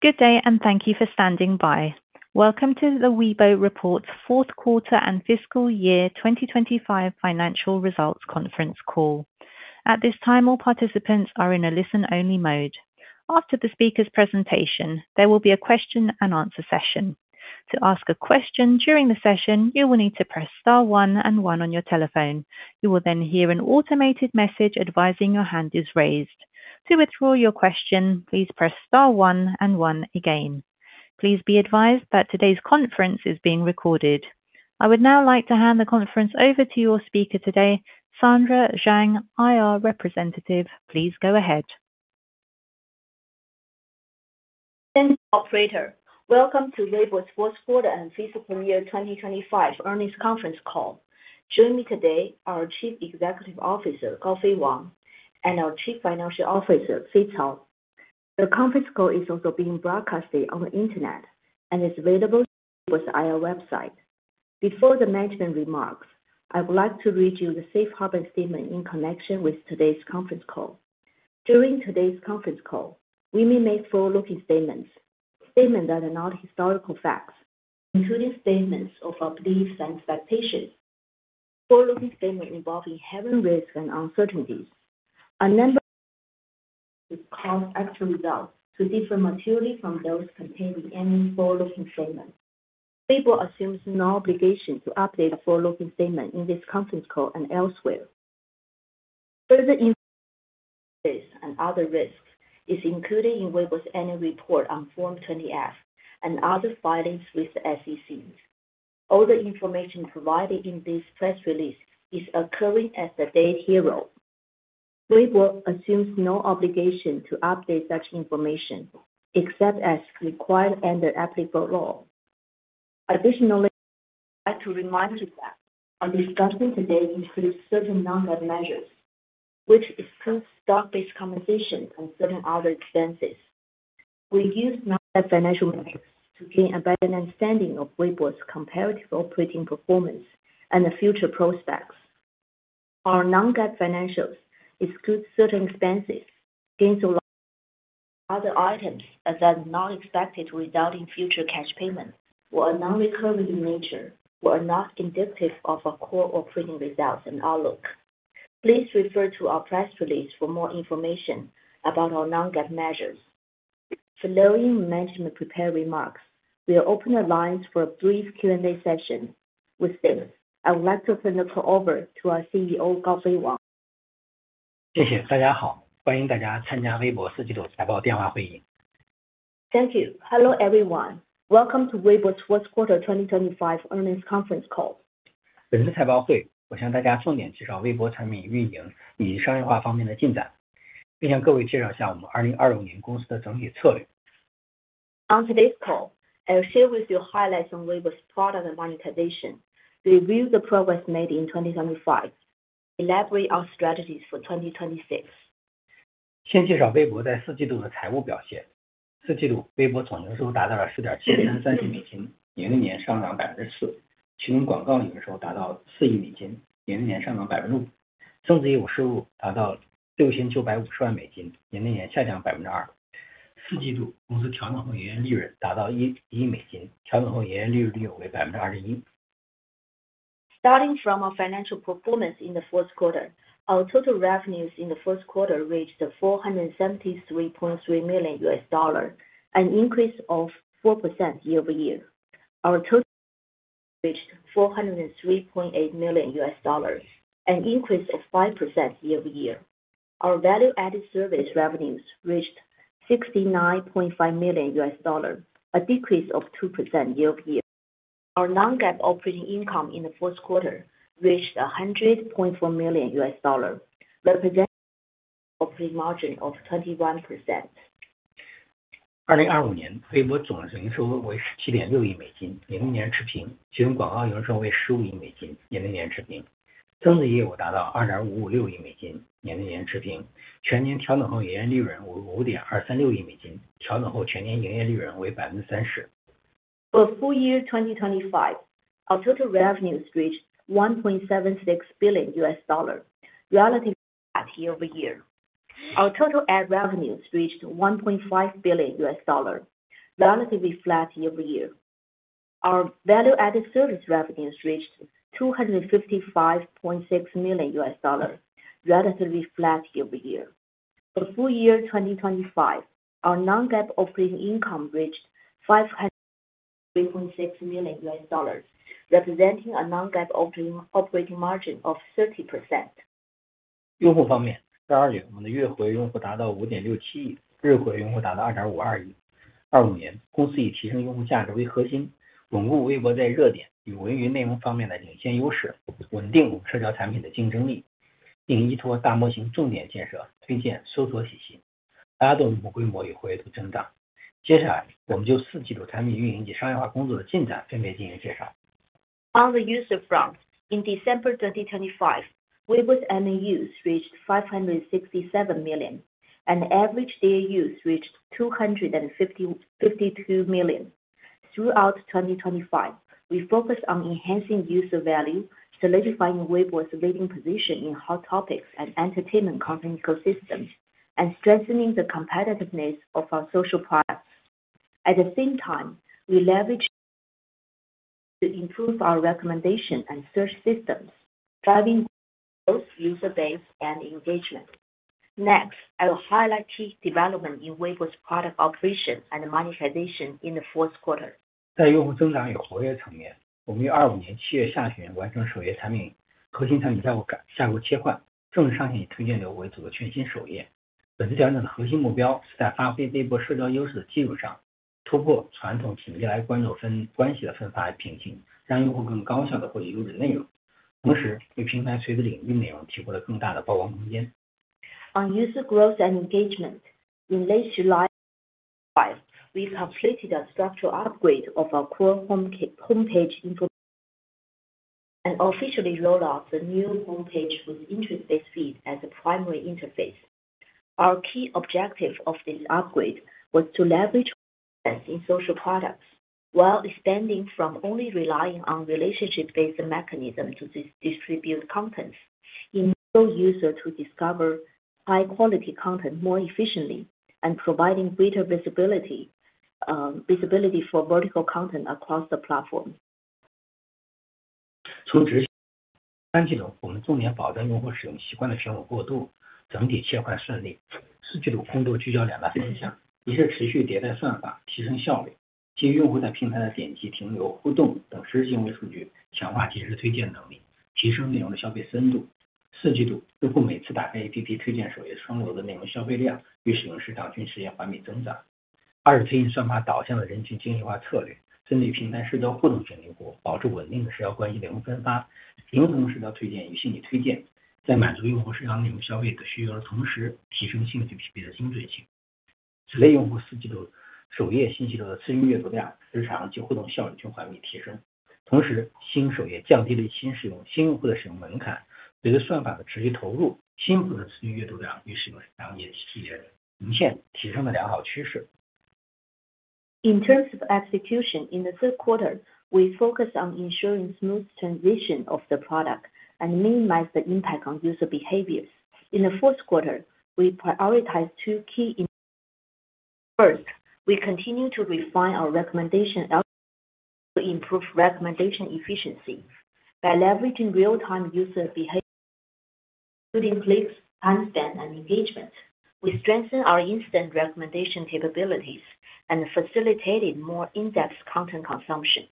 Good day, thank you for standing by. Welcome to the Weibo's Fourth Quarter and Fiscal Year 2025 Financial Results Conference Call. At this time, all participants are in a listen-only mode. After the speaker's presentation, there will be a question and answer session. To ask a question during the session, you will need to press star one and one on your telephone. You will then hear an automated message advising your hand is raised. To withdraw your question, please press star one and one again. Please be advised that today's conference is being recorded. I would now like to hand the conference over to your speaker today, Sandra Zhang, IR Representative. Please go ahead. Thank you, operator. Welcome to Weibo's fourth quarter and fiscal year 2025 Earnings Conference Call. Joining me today are our Chief Executive Officer, Gaofei Wang; and our Chief Financial Officer, Fei Cao. The conference call is also being broadcast on the internet and is available on the IR website. Before the management remarks, I would like to read you the safe harbor statement in connection with today's conference call. During today's conference call, we may make forward-looking statements that are not historical facts, including statements of our beliefs and expectations. Forward-looking statements involving inherent risks and uncertainties. A number of factors would cause actual results to differ materially from those contained in any forward-looking statement. Weibo assumes no obligation to update any forward-looking statement in this conference call and elsewhere. Further information on risks and other risks is included in Weibo's annual report on Form 20-F and other filings with the SEC. All the information provided in this press release is accurate as of the date hereof. Weibo assumes no obligation to update such information, except as required under applicable law. Additionally, I have to remind you that our discussion today includes certain non-GAAP measures, which excludes stock-based compensation and certain other expenses. We use non-GAAP financial measures to gain a better understanding of Weibo's comparative operating performance and the future prospects. Our non-GAAP financials excludes certain expenses, gains or other items that are not expected to result in future cash payments, were non-recurring in nature, or are not indicative of our core operating results and outlook. Please refer to our press release for more information about our non-GAAP measures. Following management's prepared remarks, we'll open the lines for a brief Q&A session. With this, I would like to turn the call over to our CEO, Gaofei Wang. Thank you. Hello, everyone. Welcome to Weibo's fourth quarter 2025 earnings conference call. On today's call, I will share with you highlights on Weibo's product and monetization, review the progress made in 2025, elaborate our strategies for 2026. Starting from our financial performance in the fourth quarter, our total revenues in the fourth quarter reached $473.3 million, an increase of 4% year-over-year. Our total reached $403.8 million, an increase of 5% year-over-year. Our Value-Added Service revenues reached $69.5 million, a decrease of 2% year-over-year. Our non-GAAP operating income in the fourth quarter reached $100.4 million, representing operating margin of 21%. For full year 2025, our total revenues reached $1.76 billion, relatively flat year-over-year. Our total ad revenues reached $1.5 billion, relatively flat year-over-year. Our Value-Added Service revenues reached $255.6 million, relatively flat year-over-year. For full year 2025, our non-GAAP operating income reached $503.6 million, representing a non-GAAP operating margin of 30%. On the user front, in December 2025, Weibo's MAUs reached $567 million, and average DAUs reached $252 million. Throughout 2025, we focused on enhancing user value, solidifying Weibo's leading position in hot topics and entertainment content ecosystems, and strengthening the competitiveness of our social products. At the same time, we leveraged to improve our recommendation and search systems, driving both user base and engagement. Next, I will highlight key development in Weibo's product operation and monetization in the fourth quarter. 在用户增长与活跃层面，我们于25年7月下旬完成首页产品核心产品架构切换，正式上线以推荐流为主的全新首页。本次调整的核心目标是在发挥微博社交优势的基础上，突破传统仅依赖关注关系的分发瓶颈，让用户更高效地获取优质内容，同时为平台垂直领域内容提供了更大的曝光空间。On user growth and engagement. In late July, we completed a structural upgrade of our core homepage info, and officially rolled out the new homepage with interest-based feed as the primary interface. Our key objective of this upgrade was to leverage in social products, while expanding from only relying on relationship-based mechanism to distribute content. Enable user to discover high quality content more efficiently and providing greater visibility for vertical content across the platform. In terms of execution, in the third quarter, we focused on ensuring smooth transition of the product and minimize the impact on user behaviors. In the fourth quarter, we prioritize two key initiatives. First, we continue to refine our recommendation algorithm to improve recommendation efficiency. By leveraging real-time user behavior, including clicks, timespan, and engagement, we strengthen our instant recommendation capabilities and facilitated more in-depth content consumption.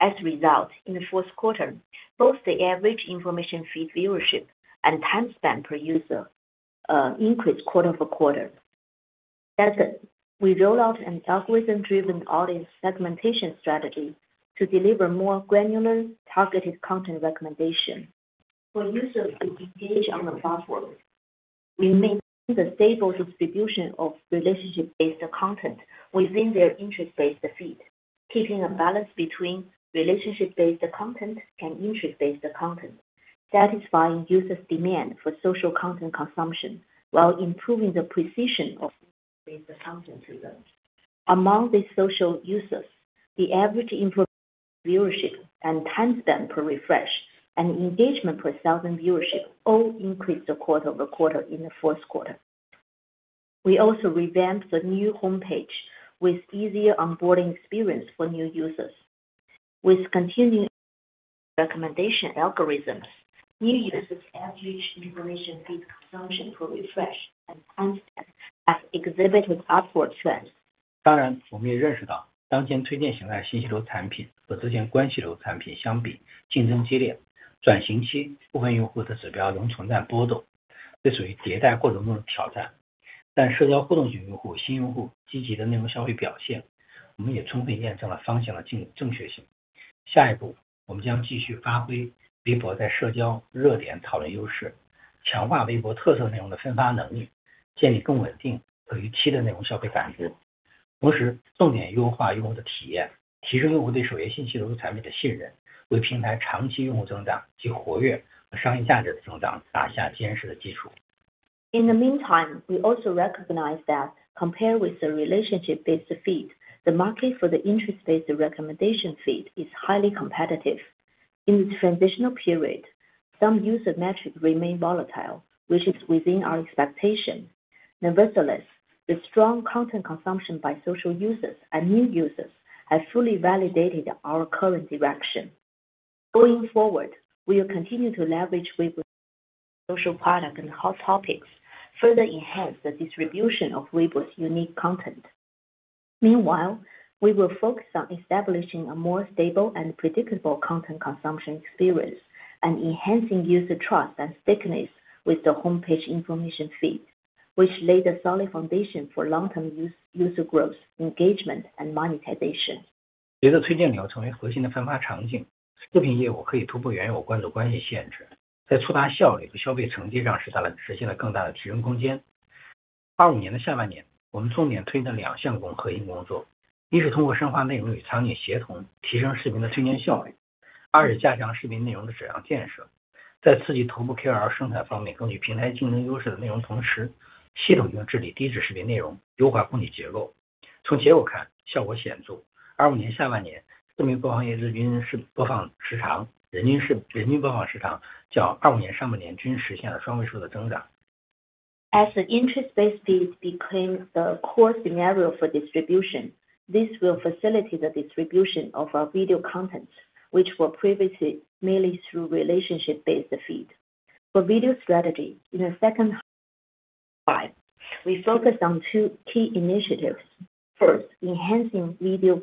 As a result, in the fourth quarter, both the average information feed viewership and timespan per user increased quarter-over-quarter. Second, we rolled out an algorithm-driven audience segmentation strategy to deliver more granular, targeted content recommendation. For users who engage on the platform, we maintain the stable distribution of relationship-based content within their interest-based feed. Keeping a balance between relationship-based content and interest-based content, satisfying users' demand for social content consumption, while improving the precision of interest-based content delivery. Among these social users, the average information viewership and timespan per refresh and engagement per thousand viewership all increased quarter-over-quarter in the fourth quarter. We also revamped the new homepage with easier onboarding experience for new users. With continuing recommendation algorithms, new users average information feed consumption per refresh and timespan has exhibited upward trends. 当然我们也认识到，当前推荐型的信息流产品和关系流产品相比竞争激烈，转型期部分用户的指标仍存在波动，这属于迭代过程中的挑战。但社交互动型用户、新用户积极的内容消费表现，我们也充分验证了方向的正确性。下一步，我们将继续发挥微博在社交热点讨论优势，强化微博特色内容的分发能力，建立更稳定和预期的内容消费感知。同时重点优化用户的体验，提升用户对首页信息流产品的信任，为平台长期用户增长及活跃和商业价值的增长打下坚实的基础。In the meantime, we also recognize that compared with the relationship-based feed, the market for the interest-based recommendation feed is highly competitive. In its transitional period, some user metrics remain volatile, which is within our expectation. Nevertheless, the strong content consumption by social users and new users has fully validated our current direction. Going forward, we will continue to leverage Weibo social product and hot topics, further enhance the distribution of Weibo's unique content. Meanwhile, we will focus on establishing a more stable and predictable content consumption experience and enhancing user trust and stickiness with the homepage information feed, which laid a solid foundation for long-term user growth, engagement and monetization. 随着推荐流成为核心的分发场景，视频业务可以突破原有关注关系限制，在触达效率和消费成绩上实现了更大的提升空间。25年的下半年，我们重点推进了两项核心工作。一是通过深化内容与场景协同，提升视频的推荐效率。二是加强视频内容的质量建设。在刺激头部KOL生产方面，巩固平台竞争优势的内容，同时系统性治理低质视频内容，优化供给结构。从结果看，效果显著。25年下半年，视频播放业日均播放时长、人均播放时长较25年上半年均实现了双位数的增长。As an interest-based feed becomes the core scenario for distribution, this will facilitate the distribution of our video content, which were previously mainly through relationship-based feed. For video strategy, in the second half, we focused on two key initiatives. First, enhancing video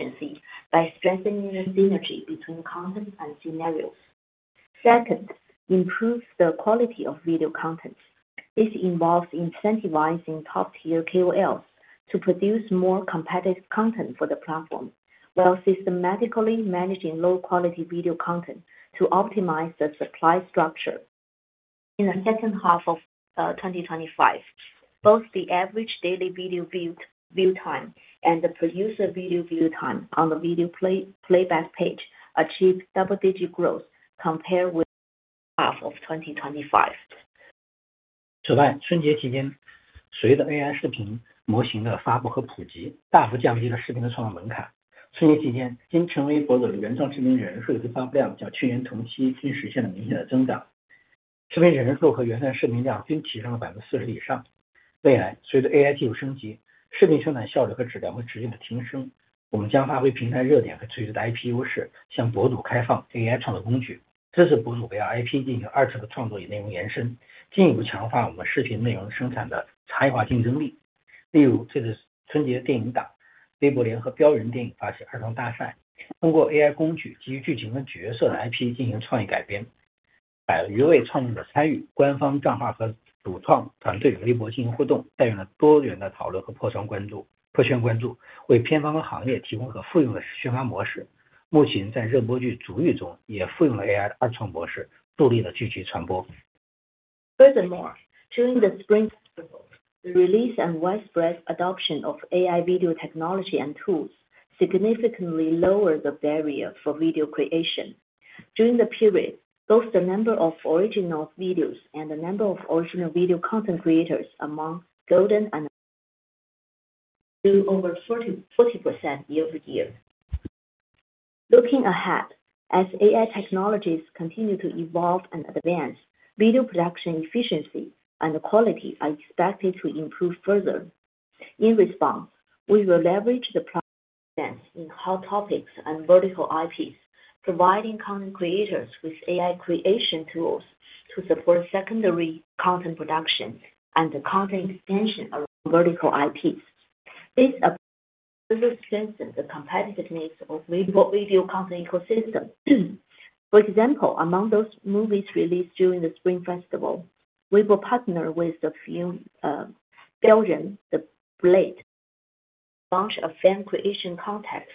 efficiency by strengthening the synergy between content and scenarios. Second, improve the quality of video content. This involves incentivizing top-tier KOLs to produce more competitive content for the platform, while systematically managing low-quality video content to optimize the supply structure. In the second half of 2025, both the average daily video view time and the producer video view time on the video playback page achieved double-digit growth compared with half of 2025. Furthermore, during the Spring Festival, the release and widespread adoption of AI video technology and tools significantly lowered the barrier for video creation. During the period, both the number of original videos and the number of original video content creators among KOLs and grew over 40% year-over-year. Looking ahead, as AI technologies continue to evolve and advance, video production efficiency and quality are expected to improve further. In response, we will leverage the progress in hot topics and vertical IPs, providing content creators with AI creation tools to support secondary content production and the content expansion of vertical IPs. This will further strengthen the competitiveness of Weibo video content ecosystem. For example, among those movies released during the Spring Festival, we will partner with the film, The Blade, launch a fan creation contest,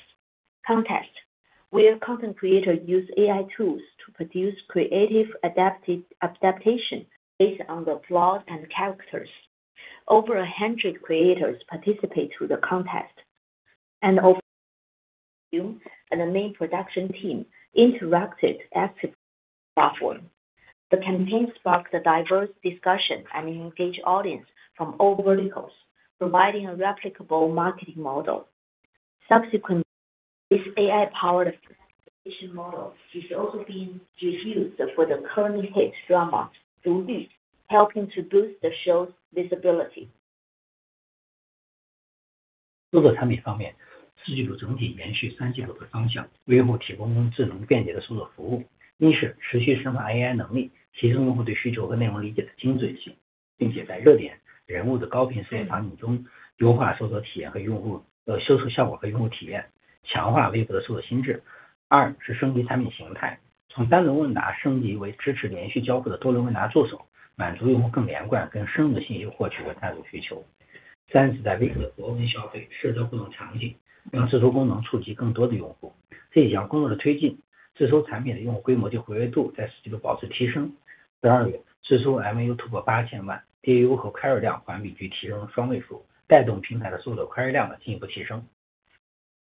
where content creators use AI tools to produce creative adaptation based on the plots and characters. Over 100 creators participated through the contest, and the main production team interacted actively on the platform. The campaign sparked a diverse discussion and engaged audience from all verticals, providing a replicable marketing model. Subsequently, this AI-powered model is also being reused for the current hit drama,《逐玉》, helping to boost the show's visibility.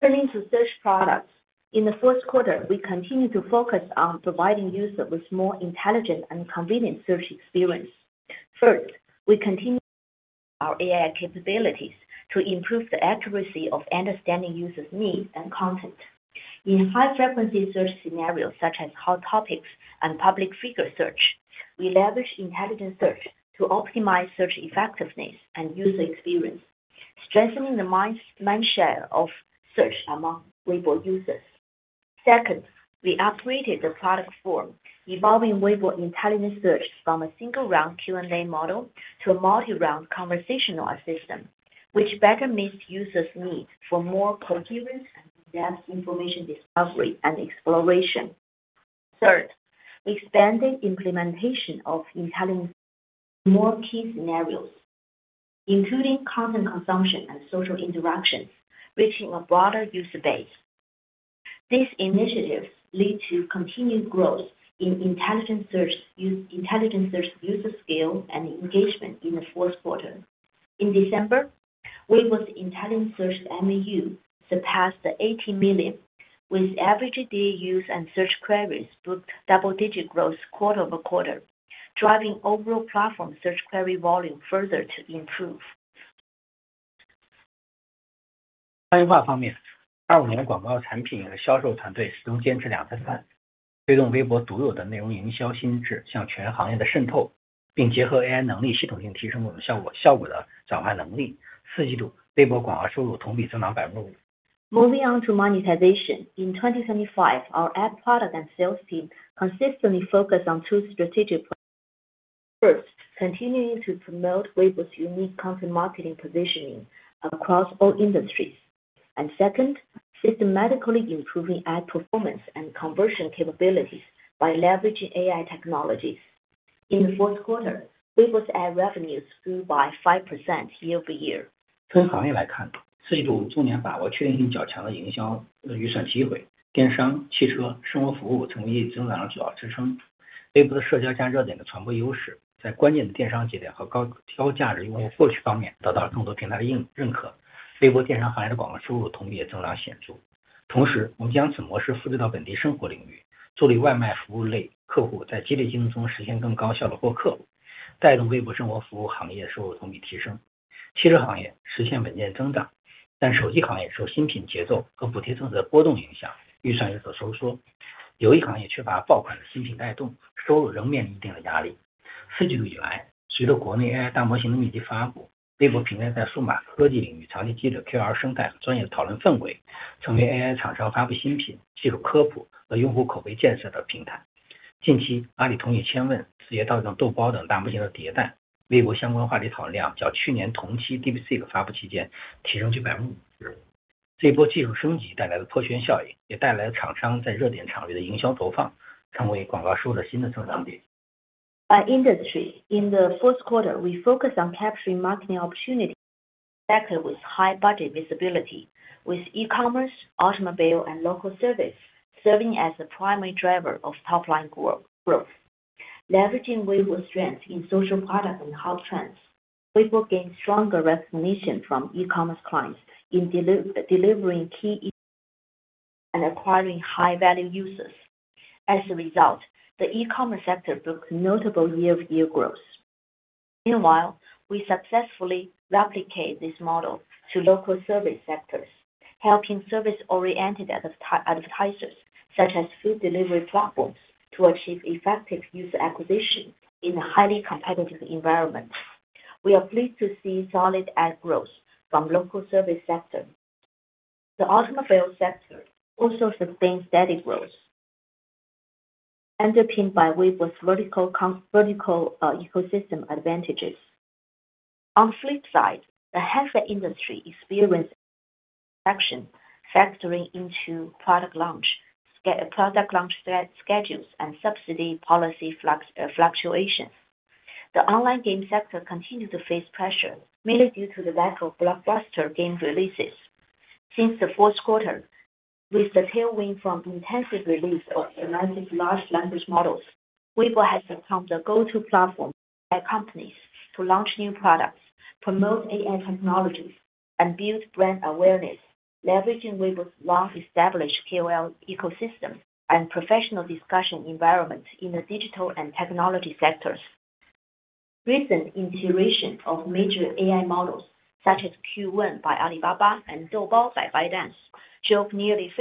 Turning to search products. In the fourth quarter, we continued to focus on providing users with more intelligent and convenient search experience. First, we continued our AI capabilities to improve the accuracy of understanding users' needs and content. In high-frequency search scenarios such as hot topics and public figure search, we leverage intelligent search to optimize search effectiveness and user experience, strengthening the mind share of search among Weibo users. Second, we upgraded the product form, evolving Weibo intelligent search from a single round Q&A model to a multi-round conversational system, which better meets users' needs for more coherent and in-depth information discovery and exploration. Third, expanded implementation of intelligent search to more key scenarios, including content consumption and social interactions, reaching a broader user base. These initiatives lead to continued growth in intelligent search user scale and engagement in the fourth quarter. In December, Weibo's intelligent search MAU surpassed 18 million, with average DAUs and search queries both double-digit growth quarter-over-quarter, driving overall platform search query volume further to improve. 商业化方面，25年广告产品和销售团队始终坚持两驱三，推动微博独有的内容营销新智向全行业的渗透，并结合AI能力，系统性提升我们效果、效果的转化能力。四季度，微博广告收入同比增长5%。Moving on to monetization. In 2025, our ad product and sales team consistently focus on two strategic. First, continuing to promote Weibo's unique content marketing positioning across all industries. Second, systematically improving ad performance and conversion capabilities by leveraging AI technologies. In the fourth quarter, Weibo's ad revenues grew by 5% year-over-year. By industry, in the fourth quarter, we focused on capturing marketing opportunities, backed with high budget visibility, with E-commerce, Automobile, and Local Service serving as the primary driver of top-line growth. Leveraging Weibo's strength in social product and hot trends, Weibo gained stronger recognition from e-commerce clients in delivering key and acquiring high-value users. As a result, the e-commerce sector booked notable year-over-year growth. Meanwhile, we successfully replicate this model to local service sectors, helping service-oriented advertisers such as food delivery platforms to achieve effective user acquisition in a highly competitive environment. We are pleased to see solid ad growth from local service sector. The automobile sector also sustained steady growth, underpinned by Weibo's vertical ecosystem advantages. On the flip side, the FMCG industry experienced factors factoring into product launch schedules and subsidy policy fluctuations. The online game sector continued to face pressure, mainly due to the lack of blockbuster game releases. Since the fourth quarter, with the tailwind from intensive release of advanced large language models, Weibo has become the go-to platform by companies to launch new products, promote AI technologies, and build brand awareness, leveraging Weibo's long-established KOL ecosystem and professional discussion environment in the digital and technology sectors. Recent integration of major AI models, such as Qwen by Alibaba and Doubao by ByteDance, showed nearly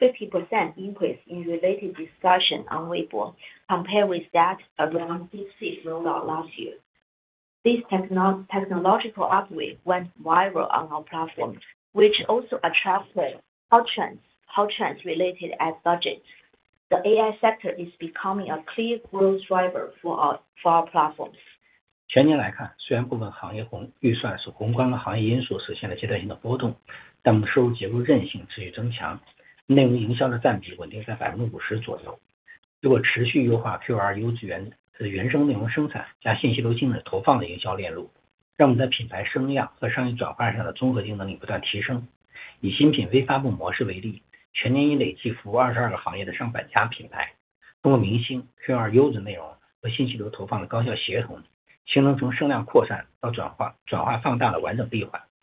50% increase in related discussion on Weibo, compared with that around DeepSeek rollout last year. This technological upwave went viral on our platform, which also attracted hot trends related ad budgets. The AI sector is becoming a clear growth driver for our platforms. 全年来看，虽然部分行业预算受宏观和行业因素实现了阶段性的波动，但我们收入结构韧性持续增强，内容营销的占比稳定在50%左右。微博持续优化KOL、UGC原生内容生产加信息流精准投放的营销链路，让我们在品牌声量和商业转化上的综合竞争力不断提升。以新品微发布模式为例，全年已累计服务二十二个行业的上百家品牌，通过明星、KOL、UGC内容和信息流投放的高效协同，形成从声量扩散到转化、转化放大的完整闭环，显著提升了客户热点营销的效果，展现商业生态和内容生态的良性互促。同时，小红书的AI应用也取得进展。十二月，AI生成素材在信息流竞价广告中的消耗已经达到40%。在大幅降低客户创意成本的同时，通过算法也持续优化竞价模型和转化路径，进一步提升了流量变现效率。总体而言，我们通过高效的组织执行和AI技术的赋能，顺利完成了全年的广告收入目标。商业生态的竞争力也得到了进一步巩固和提升。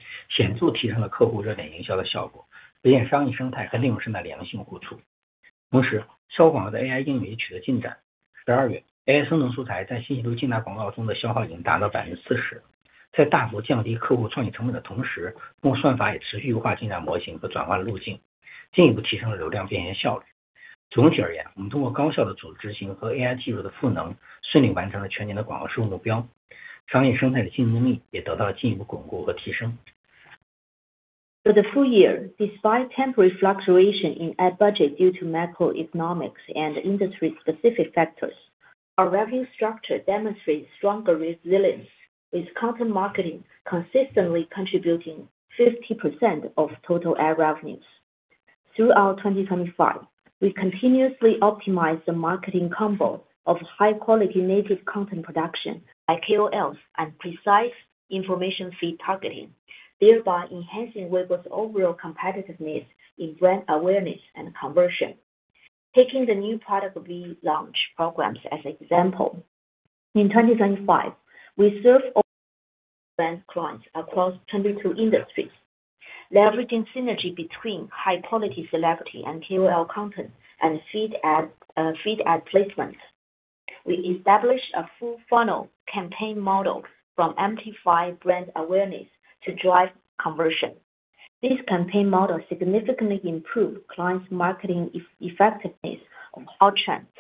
For the full year, despite temporary fluctuation in ad budget due to macroeconomic and industry-specific factors, our revenue structure demonstrates stronger resilience, with content marketing consistently contributing 50% of total ad revenues. Throughout 2025, we continuously optimize the marketing combo of high-quality native content production by KOLs and precise information feed targeting, thereby enhancing Weibo's overall competitiveness in brand awareness and conversion. Taking the new product launch programs as an example. In 2025, we serve brand clients across 22 industries, leveraging synergy between high-quality celebrity and KOL content and feed ad placements. We established a full funnel campaign model from brand awareness to drive conversion. This campaign model significantly improved clients' marketing effectiveness on all fronts,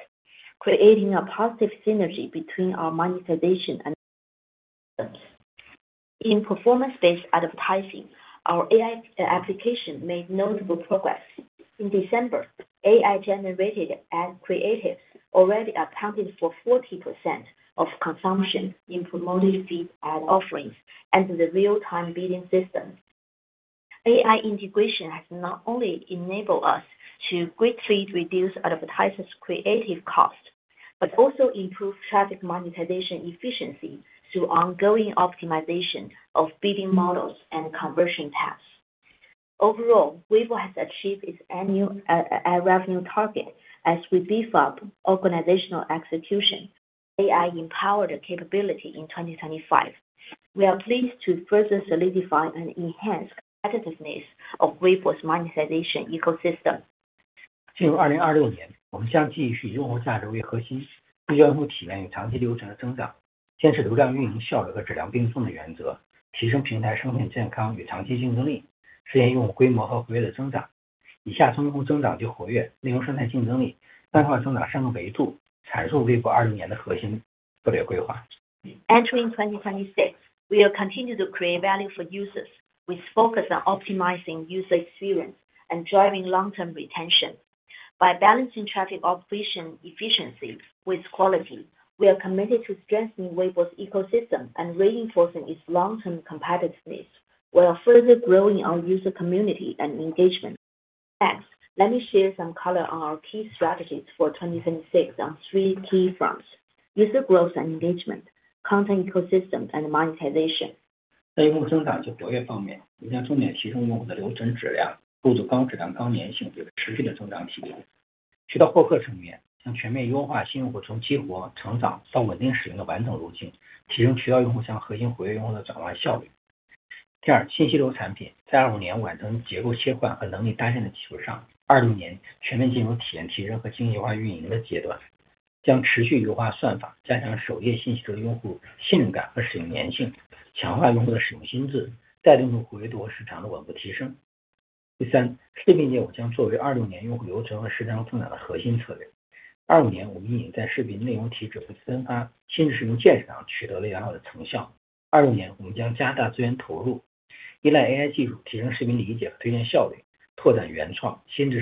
creating a positive synergy between our monetization and in performance-based advertising, our AI application made notable progress. In December, AI-generated ad creatives already accounted for 40% of consumption in promoted feed ad offerings and the real-time bidding system. AI integration has not only enabled us to greatly reduce advertisers creative cost, but also improve traffic monetization efficiency through ongoing optimization of bidding models and conversion paths. Overall, Weibo has achieved its annual ad revenue target as we beef up organizational execution, AI-empowered capability in 2025. We are pleased to further solidify and enhance competitiveness of Weibo's monetization ecosystem. 进入2026年，我们将继续以用户价值为核心，聚焦用户体验与长期留存的增长，坚持流量运营效率和质量并重的原则，提升平台生命健康与长期竞争力，实现用户规模和活跃的增长。以下从用户增长及活跃、内容生态竞争力、商业化增长三个维度阐述微博2026年的核心策略规划。Entering 2026, we will continue to create value for users. We focus on optimizing user experience and driving long-term retention. By balancing traffic operation efficiency with quality, we are committed to strengthening Weibo's ecosystem and reinforcing its long-term competitiveness, while further growing our user community and engagement. Next, let me share some color on our key strategies for 2026 on three key fronts, user growth and engagement, content ecosystem, and monetization. On user growth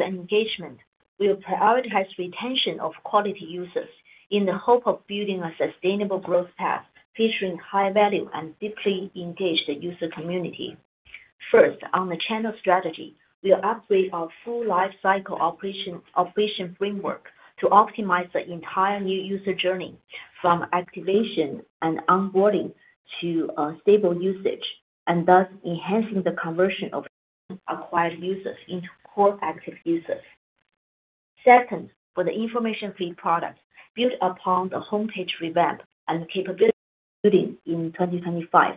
and engagement, we will prioritize retention of quality users in the hope of building a sustainable growth path featuring high value and deeply engaged user community. First, on the channel strategy, we will upgrade our full life cycle operation framework to optimize the entire new user journey from activation and onboarding to stable usage, and thus enhancing the conversion of acquired users into core active users. Second, for the information feed product, built upon the homepage revamp and capability building in 2025.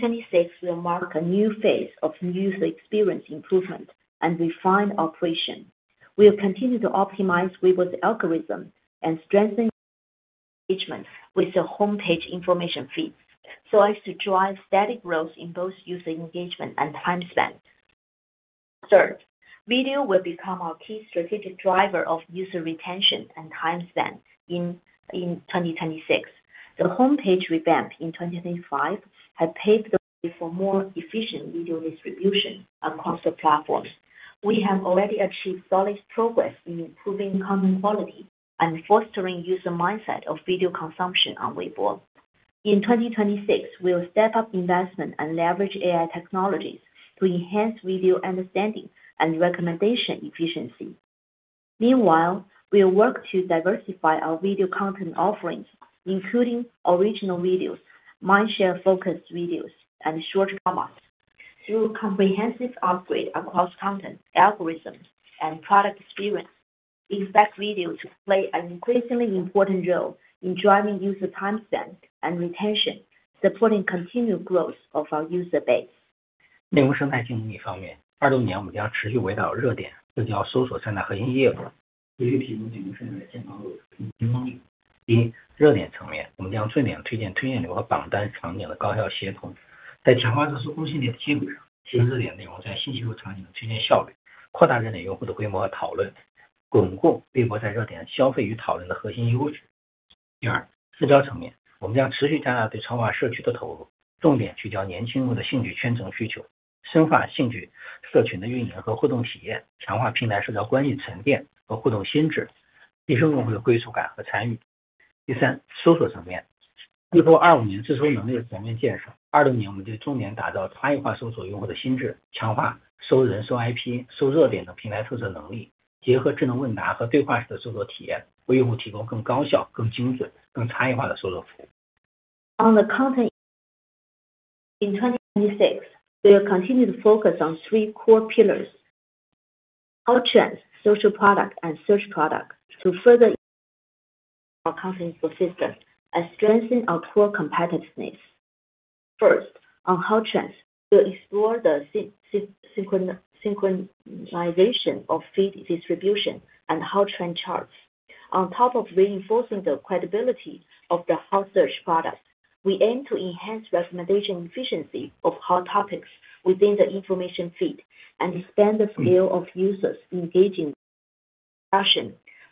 2026 will mark a new phase of user experience improvement and refined operation. We will continue to optimize Weibo's algorithm and strengthen engagement with the homepage information feed so as to drive steady growth in both user engagement and time spent. Third, video will become our key strategic driver of user retention and time spent in 2026. The homepage revamp in 2025 had paved the way for more efficient video distribution across the platforms. We have already achieved solid progress in improving content quality and fostering user mindset of video consumption on Weibo. In 2026, we will step up investment and leverage AI technologies to enhance video understanding and recommendation efficiency. Meanwhile, we will work to diversify our video content offerings, including original videos, mindshare focused videos, and short dramas. Through comprehensive upgrade across content, algorithms, and product experience, expect video to play an increasingly important role in driving user time spent and retention, supporting continued growth of our user base. On the content in 2026, we will continue to focus on three core pillars: hot trends, social product, and search product to further our content ecosystem and strengthen our core competitiveness. First, on hot trends, we will explore the synchronization of feed distribution and hot trend charts. On top of reinforcing the credibility of the hot search product, we aim to enhance recommendation efficiency of hot topics within the information feed and expand the scale of users engaging,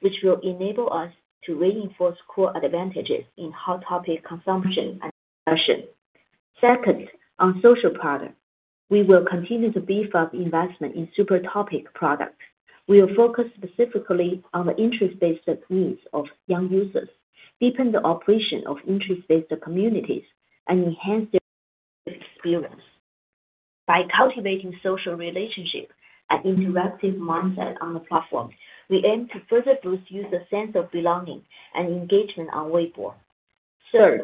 which will enable us to reinforce core advantages in hot topic consumption. Second, on social product, we will continue to beef up investment in super topic product. We will focus specifically on the interest-based needs of young users, deepen the operation of interest-based communities, and enhance their experience. By cultivating social relationship and interactive mindset on the platform, we aim to further boost user sense of belonging and engagement on Weibo. Third,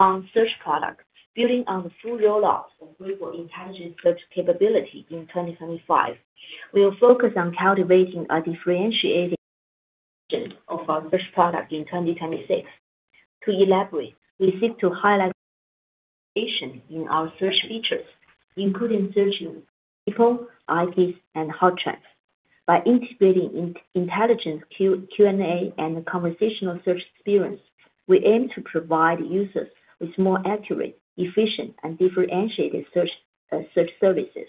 on search product. Building on the full rollout of Weibo intelligent search capability in 2025, we will focus on cultivating a differentiation of our search product in 2026. To elaborate, we seek to highlight in our search features, including searching people, IPs, and hot trends. By integrating intelligent Q&A and conversational search experience, we aim to provide users with more accurate, efficient, and differentiated search services.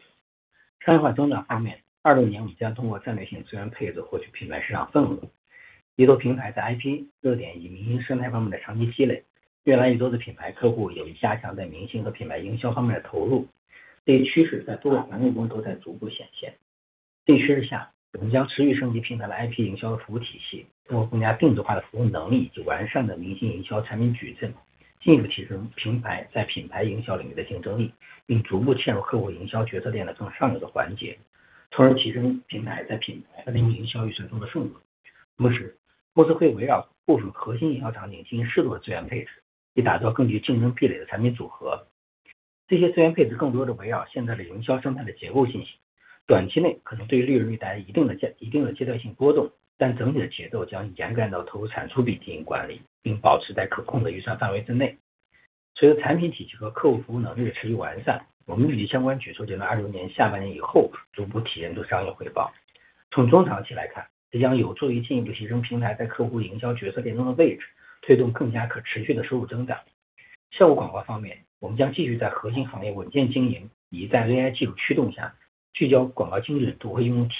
Moving on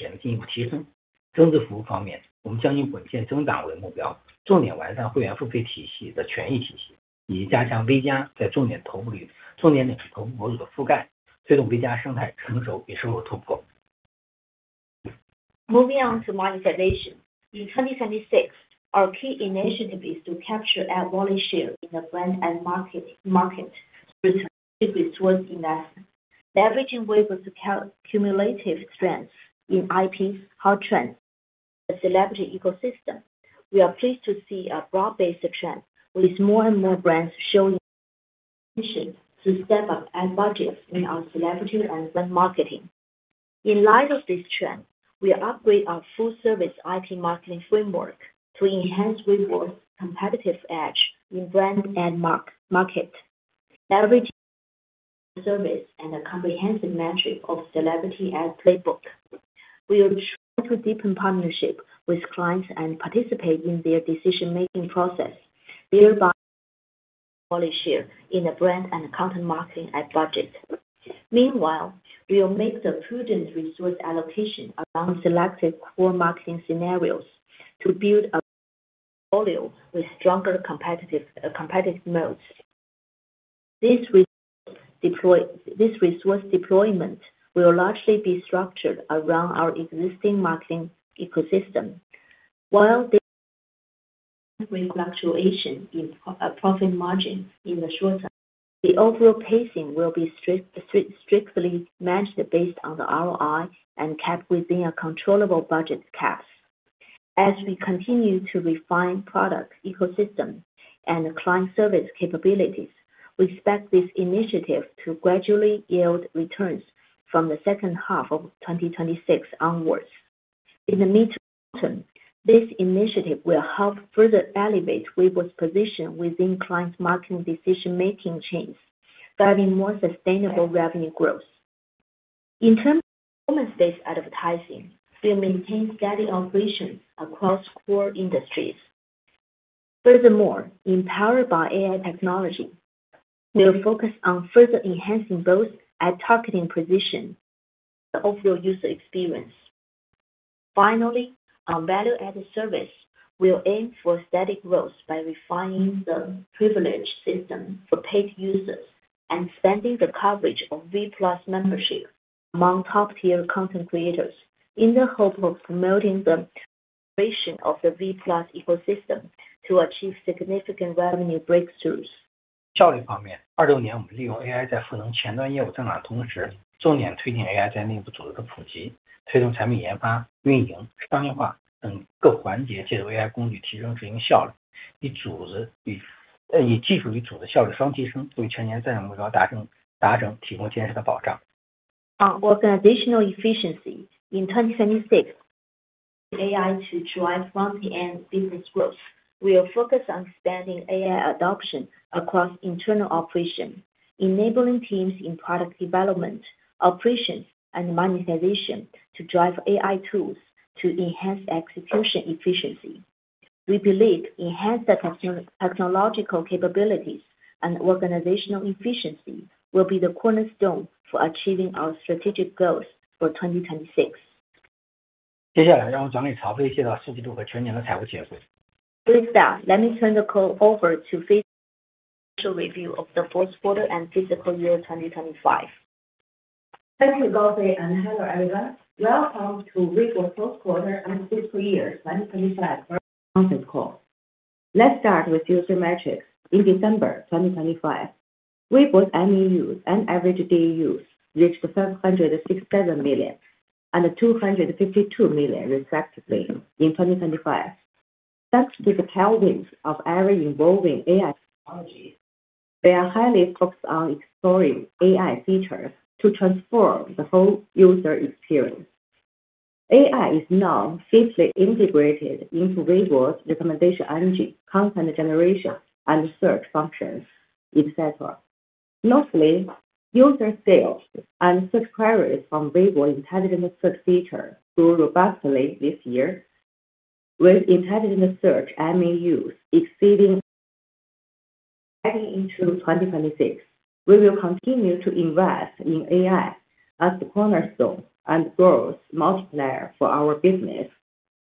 to monetization. In 2026, our key initiative is to capture ad wallet share in the brand and marketing market through resource investment. Leveraging Weibo's cumulative strength in IP, hot trends, and celebrity ecosystem, we are pleased to see a broad-based trend with more and more brands starting to step up ad budgets in our celebrity and brand marketing. In light of this trend, we upgrade our full-service IP marketing framework to enhance Weibo's competitive edge in brand and marketing. Leveraging service and a comprehensive set of celebrity ad playbooks, we will strive to deepen partnership with clients and participate in their decision-making process, thereby wallet share in the brand and content marketing ad budget. Meanwhile, we will make the prudent resource allocation around selective core marketing scenarios to build a moat with stronger competitive moats. This resource deployment will largely be structured around our existing marketing ecosystem. While the fluctuation in profit margin in the short term, the overall pacing will be strictly managed based on the ROI and kept within a controllable budget caps. As we continue to refine product ecosystem and client service capabilities, we expect this initiative to gradually yield returns from the second half of 2026 onwards. In the mid-term, this initiative will help further elevate Weibo's position within client marketing decision-making chains, driving more sustainable revenue growth. In terms of performance-based advertising, we will maintain steady operations across core industries. Furthermore, empowered by AI technology, we'll focus on further enhancing both ad targeting precision, the overall user experience. Finally, our Value-Added Service will aim for steady growth by refining the privilege system for paid users and expanding the coverage of V+ membership among top-tier content creators in the hope of promoting the V+ ecosystem to achieve significant revenue breakthroughs. 效率方面，2026年我们利用AI在赋能前端业务增长的同时，重点推进AI在内部组织的普及，推动产品研发、运营、商业化等各环节借助AI工具提升运营效率，以技术与组织效率双提升，作为全年战略目标达成提供坚实的保障。On organizational efficiency in 2026. AI to drive front-end business growth. We are focused on expanding AI adoption across internal operation, enabling teams in product development, operations, and monetization to drive AI tools to enhance execution efficiency. We believe enhanced technological capabilities and organizational efficiency will be the cornerstone for achieving our strategic goals for 2026. 接下来让我转给曹飞，介绍四季度和全年的财务业绩。With that, let me turn the call over to Fei to review the fourth quarter and fiscal year 2025. Thank you, Gaofei, and hello, everyone. Welcome to Weibo fourth quarter and fiscal year 2025 conference call. Let's start with user metrics. In December 2025, Weibo's MAUs and average DAUs reached $767 million and $252 million, respectively, in 2025. Thanks to the tailwinds of our evolving AI technology, we are highly focused on exploring AI features to transform the whole user experience. AI is now safely integrated into Weibo's recommendation engine, content generation, and search functions, et cetera. User searches and search queries from Weibo intelligent search feature grew robustly this year. Heading into 2026, we will continue to invest in AI as the cornerstone and growth multiplier for our business,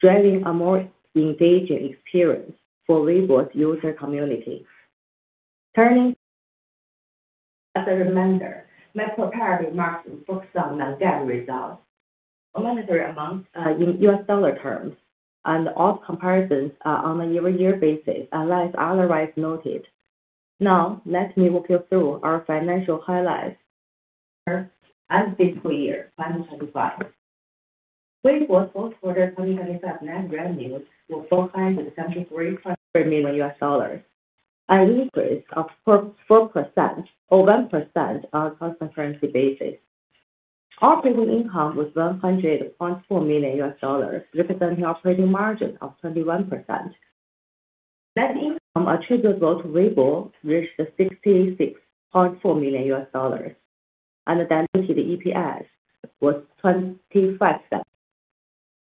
driving a more engaging experience for Weibo's user community. As a reminder, my prepared remarks focus on non-GAAP results. Monetary amounts in U.S. dollar terms, and all comparisons are on a year-on-year basis, unless otherwise noted. Now, let me walk you through our financial highlights for fiscal year 2025. Weibo's fourth quarter 2025 net revenues were $473 million, an increase of 4% or 1% on a constant currency basis. Operating income was $104 million, representing operating margin of 21%. Net income attributable to Weibo reached $66.4 million, and the diluted EPS was $0.25.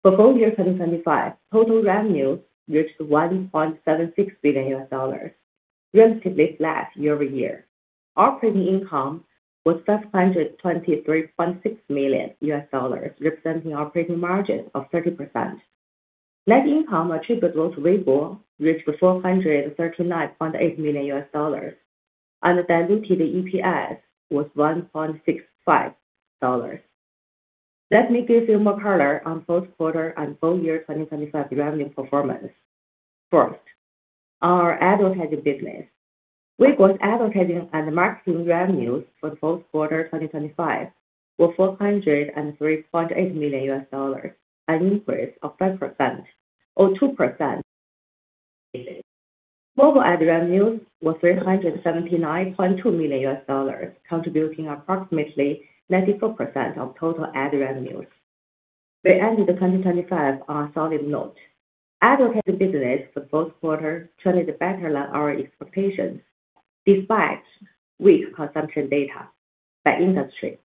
For full year 2025, total revenue reached $1.76 billion, relatively flat year-over-year. Operating income was $523.6 million, representing operating margin of 30%. Net income attributable to Weibo reached $439.8 million, and the diluted EPS was $1.65. Let me give you more color on both quarter and full year 2025 revenue performance. First, our advertising business. Weibo's advertising and marketing revenues for the fourth quarter 2025 were $403.8 million, an increase of 5% or 2%. Mobile ad revenues were $379.2 million, contributing approximately 94% of total ad revenues. We ended 2025 on a solid note. Advertising business for fourth quarter trended better than our expectations despite weak consumption data by industry.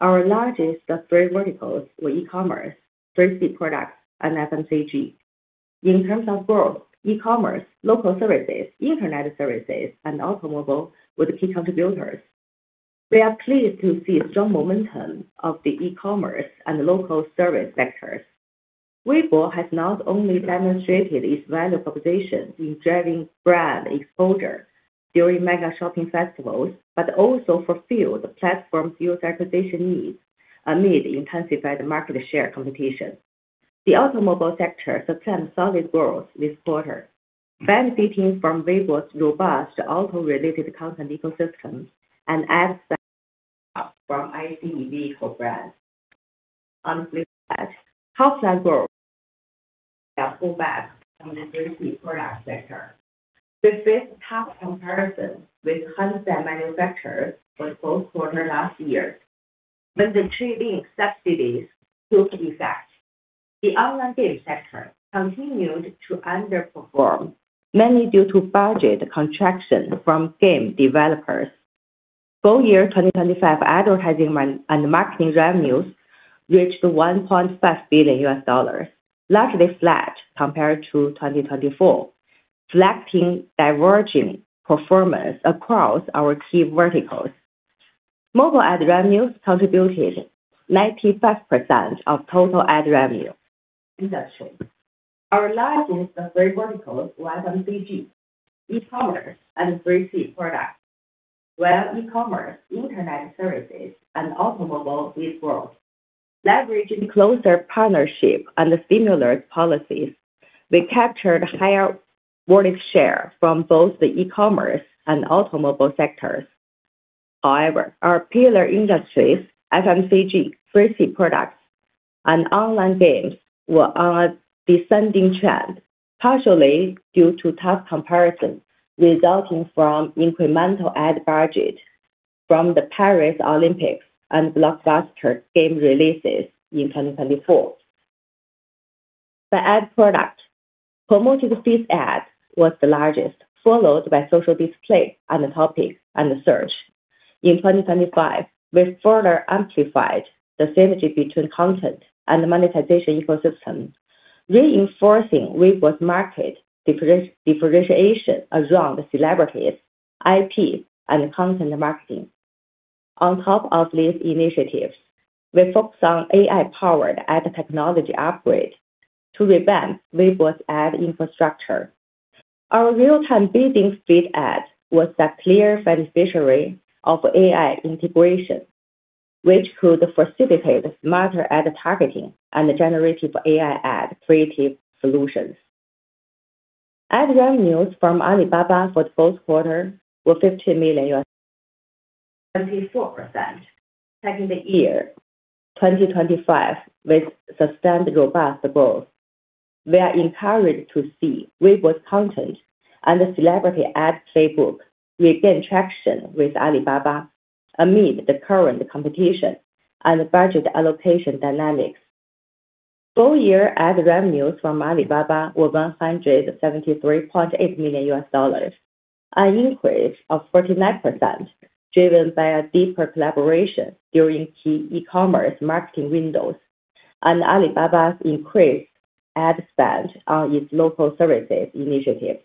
Our largest of three verticals were E-commerce, 3C products, and FMCG. In terms of growth, e-commerce, local services, internet services, and automobile were the key contributors. We are pleased to see strong momentum of the e-commerce and local service sectors. Weibo has not only demonstrated its value proposition in driving brand exposure during mega shopping festivals, but also fulfilled the platform's user acquisition needs amid intensified market share competition. The automobile sector sustained solid growth this quarter, benefiting from Weibo's robust auto-related content ecosystem and ad spend from EV vehicle brands. On the flip side, the FMCG sector. We saw pullback from the 3C product sector. We faced tough comparison with handset manufacturers for fourth quarter last year when the trade-in subsidies took effect. The online game sector continued to underperform, mainly due to budget contraction from game developers. Full year 2025 advertising and marketing revenues reached $1.5 billion, largely flat compared to 2024, reflecting diverging performance across our key verticals. Mobile ad revenues contributed 95% of total ad revenue. Our largest three verticals were FMCG, E-commerce, and 3C products. E-commerce, internet services, and automobiles did grow. Leveraging closer partnership and similar policies, we captured higher market share from both the e-commerce and automobile sectors. However, our pillar industries, FMCG, fresh food products, and online games were on a descending trend, partially due to tough comparison, resulting from incremental ad budget from the Paris Olympics and blockbuster game releases in 2024. The ad product, promoted feed ad, was the largest, followed by social display on the topic and the search. In 2025, we further amplified the synergy between content and the monetization ecosystem, reinforcing Weibo's market differentiation around celebrities, IP, and content marketing. On top of these initiatives, we focus on AI-powered ad technology upgrade to revamp Weibo's ad infrastructure. Our real-time bidding feed ad was the clear beneficiary of AI integration, which could facilitate smarter ad targeting and generative AI ad creative solutions. Ad revenues from Alibaba for the fourth quarter were $50 million, up 24%. Heading into the year 2025 with sustained robust growth. We are encouraged to see Weibo's content and the celebrity ad playbook regain traction with Alibaba amid the current competition and budget allocation dynamics. Full year ad revenues from Alibaba were $173.8 million, an increase of 49%, driven by a deeper collaboration during key e-commerce marketing windows and Alibaba's increased ad spend on its local services initiative.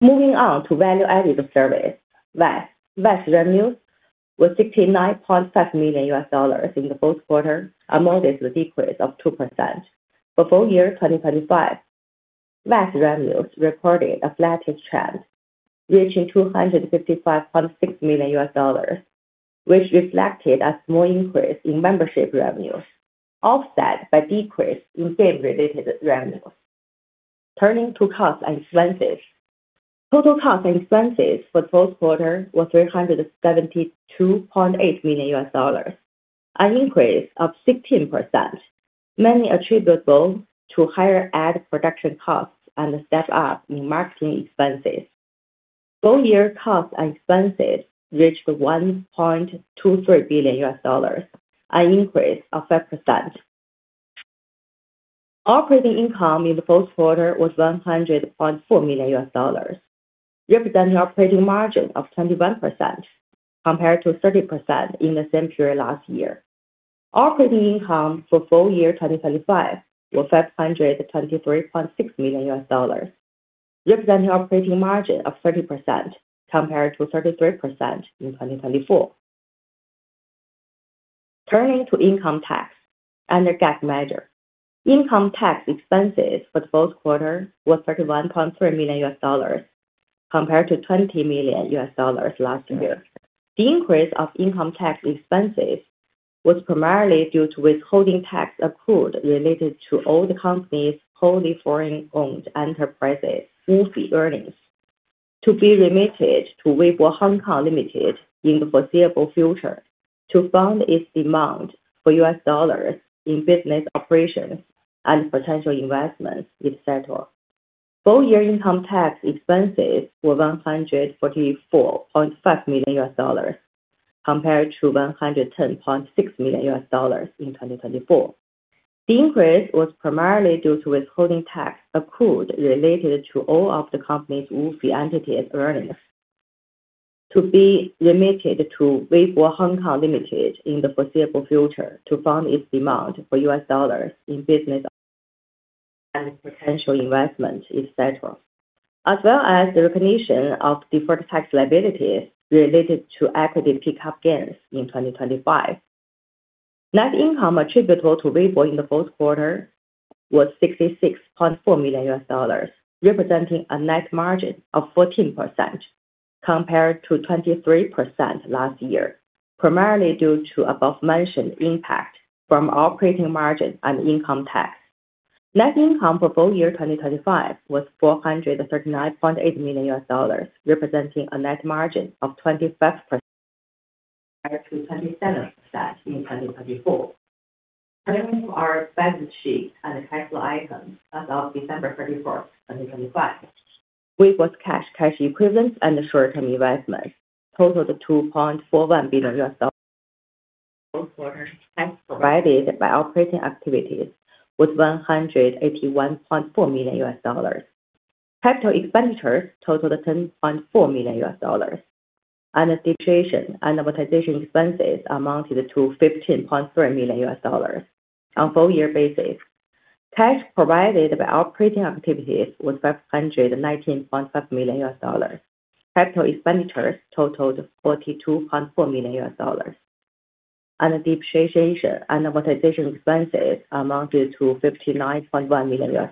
Moving on to Value-Added Service, VAS. VAS revenues was $69.5 million in the fourth quarter, amounting to a decrease of 2%. For full year 2025, VAS revenues recorded a flattish trend, reaching $255.6 million, which reflected a small increase in membership revenues, offset by decrease in game-related revenues. Turning to costs and expenses. Total costs and expenses for the fourth quarter was $372.8 million, an increase of 16%, mainly attributable to higher ad production costs and a step up in marketing expenses. Full year costs and expenses reached $1.23 billion, an increase of 5%. Operating income in the fourth quarter was $100.4 million, representing operating margin of 21% compared to 30% in the same period last year. Operating income for full year 2025 was $523.6 million, representing operating margin of 30% compared to 33% in 2024. Turning to income tax. Under GAAP measure, income tax expenses for the fourth quarter was $31.3 million compared to $20 million last year. The increase of income tax expenses was primarily due to withholding tax accrued related to all the company's wholly foreign-owned enterprises, WFOE earnings, to be remitted to Weibo Hong Kong Limited in the foreseeable future to fund its demand for U.S. dollars in business operations and potential investments, et cetera. Full year income tax expenses were $144.5 million compared to $110.6 million in 2024. The increase was primarily due to withholding tax accrued related to all of the company's WFOE entity earnings to be remitted to Weibo Hong Kong Limited in the foreseeable future to fund its demand for U.S. dollars in business and potential investment, et cetera. As well as the recognition of deferred tax liability related to equity pickup gains in 2025. Net income attributable to Weibo in the fourth quarter was $66.4 million, representing a net margin of 14% compared to 23% last year, primarily due to above-mentioned impact from operating margin and income tax. Net income for full year 2025 was $439.8 million, representing a net margin of 25% compared to 27% in 2024. Turning to our balance sheet and the cash flow item as of December 31st, 2025. Weibo's cash equivalents, and short-term investments totaled $2.41 billion. Fourth quarter cash provided by operating activities was $181.4 million. Capital expenditures totaled $10.4 million, and depreciation and amortization expenses amounted to $15.3 million. On full year basis, cash provided by operating activities was $519.5 million. Capital expenditures totaled $42.4 million. Depreciation and amortization expenses amounted to $59.1 million.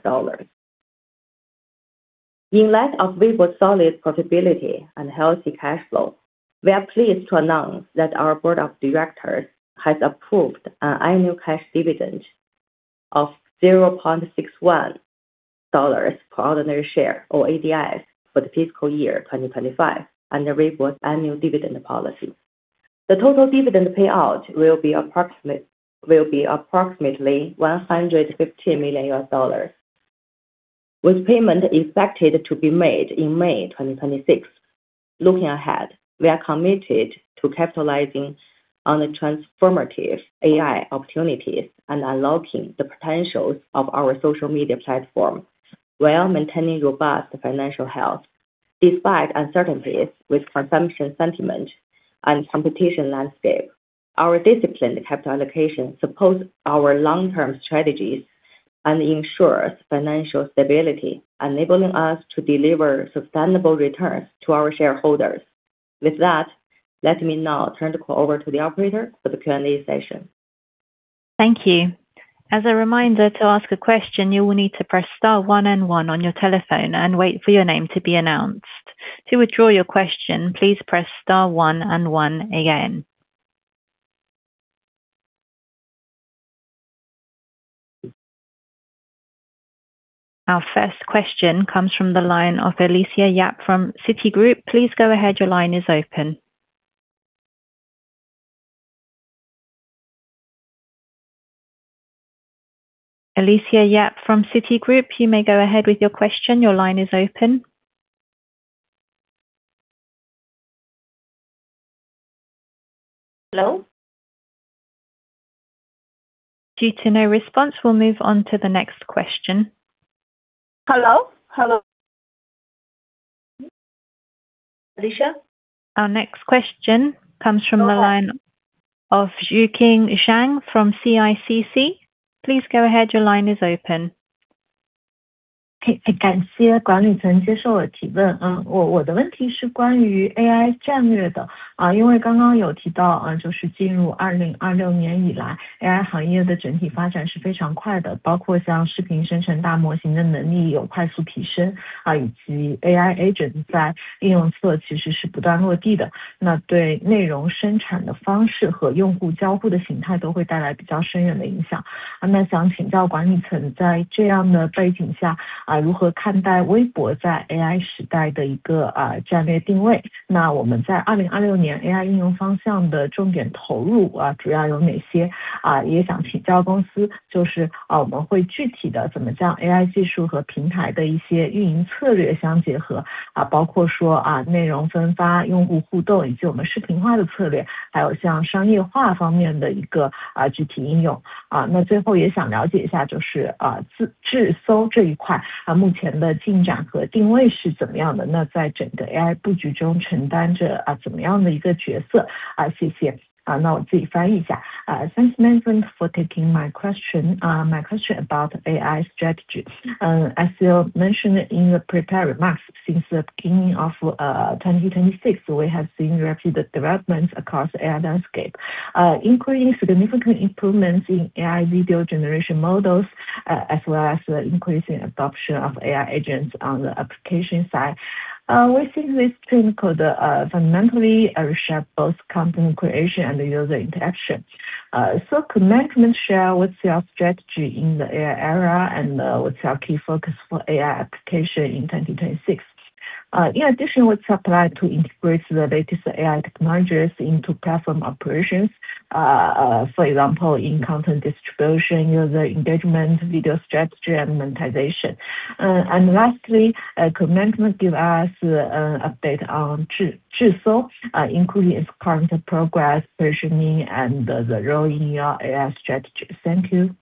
In light of Weibo solid profitability and healthy cash flow, we are pleased to announce that our Board of Directors has approved an annual cash dividend of $0.61 per ordinary share or ADS for the fiscal year 2025 and the Weibo annual dividend policy. The total dividend payout will be approximately $150 million, with payment expected to be made in May 2026. Looking ahead, we are committed to capitalizing on the transformative AI opportunities and unlocking the potentials of our social media platform while maintaining robust financial health. Despite uncertainties with consumption sentiment and competition landscape, our disciplined capital allocation supports our long-term strategies and ensures financial stability, enabling us to deliver sustainable returns to our shareholders. With that, let me now turn the call over to the operator for the Q&A session. Thank you. As a reminder, to ask a question, you will need to press star one and one on your telephone and wait for your name to be announced. To withdraw your question, please press star one and one again. Our first question comes from the line of Alicia Yap from Citigroup. Please go ahead. Your line is open. Alicia Yap from Citigroup, you may go ahead with your question. Your line is open. Hello? Due to no response, we'll move on to the next question. Hello? Hello? Alicia? Our next question comes from the line of Xueqing Zhang from CICC. Please go ahead. Your line is open. My question about AI strategy. As you mentioned in the prepared remarks, since the beginning of 2026, we have seen rapid development across AI landscape, including significant improvements in AI video generation models, as well as the increasing adoption of AI agents on the application side. We think this trend could fundamentally reshape both content creation and user interaction. Could management share what's your strategy in the AI era and what's our key focus for AI application in 2026? In addition, what's planned to integrate the latest AI technologies into platform operations, for example, in content distribution, user engagement, video strategy, and monetization. Lastly, could management give us an update on Zhisou, including its current progress, positioning, and the role in your AI strategy? Thank you.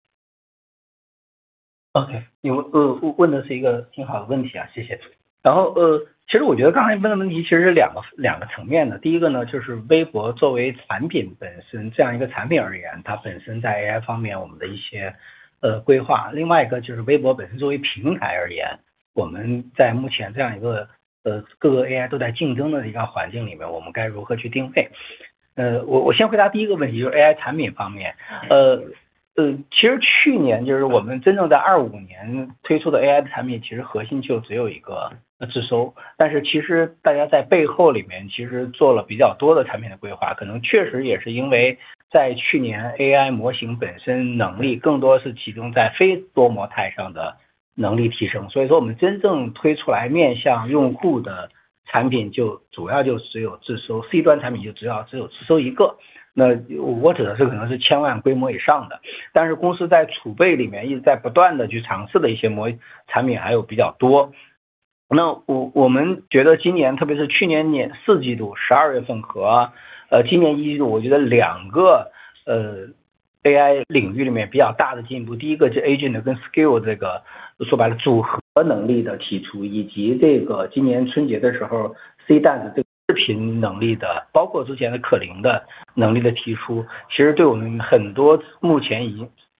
agent跟skill这个说白了组合能力的提出，以及今年春节的时候，C端对视频能力的，包括之前的可灵的能力的提出，其实对我们很多目前已经去年二五年在内部测试这些产品的前端化已经提出了一个比较好的一个时机点。Gordon，要不要你先翻译一下。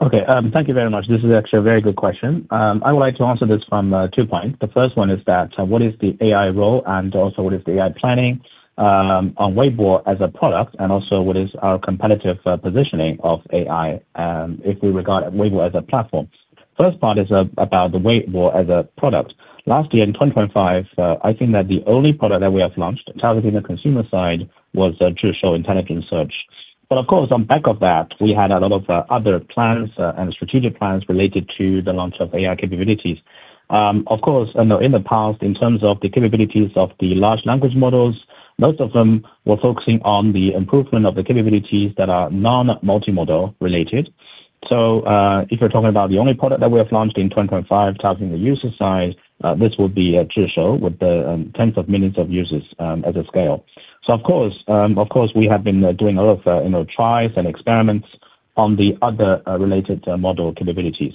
Okay, thank you very much. This is actually a very good question. I would like to answer this from two points. The first one is that what is the AI role and also what is the AI planning on Weibo as a product and also what is our competitive positioning of AI if we regard Weibo as a platform. First part is about Weibo as a product. Last year in 2025, I think that the only product that we have launched targeting the consumer side was Zhisou intelligent search. Of course, on back of that, we had a lot of other plans and strategic plans related to the launch of AI capabilities. Of course, you know, in the past, in terms of the capabilities of the large language models, most of them were focusing on the improvement of the capabilities that are non-multimodal related. If you're talking about the only product that we have launched in 2025 targeting the user side, this will be Zhisou with the tens of millions of users, as a scale. Of course, we have been doing a lot of, you know, tries and experiments on the other related model capabilities.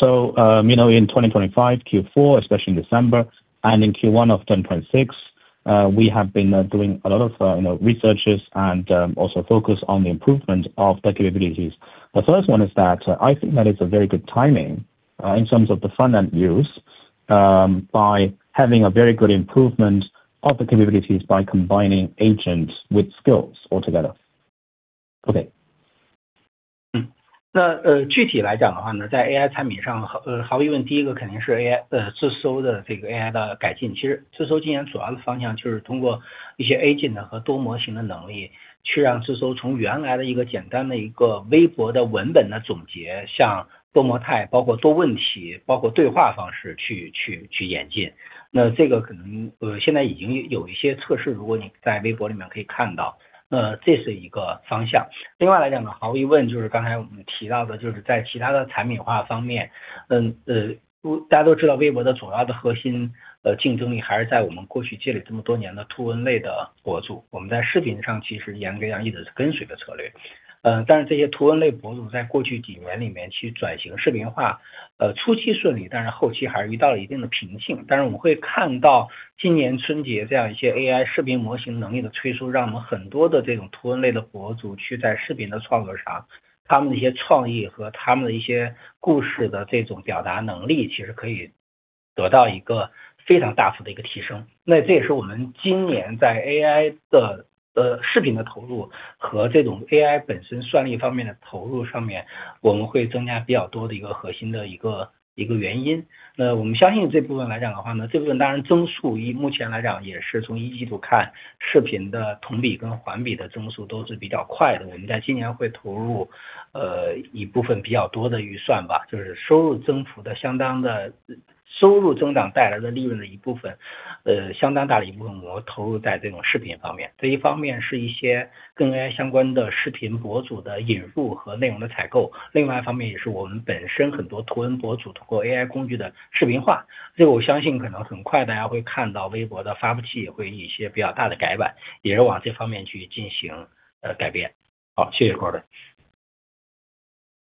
You know, in 2025 Q4, especially in December and in Q1 of 2026, we have been doing a lot of, you know, researches and also focus on the improvement of the capabilities. The first one is that I think that it's a very good timing, in terms of the front end use, by having a very good improvement of the capabilities by combining agents with skills altogether. Okay.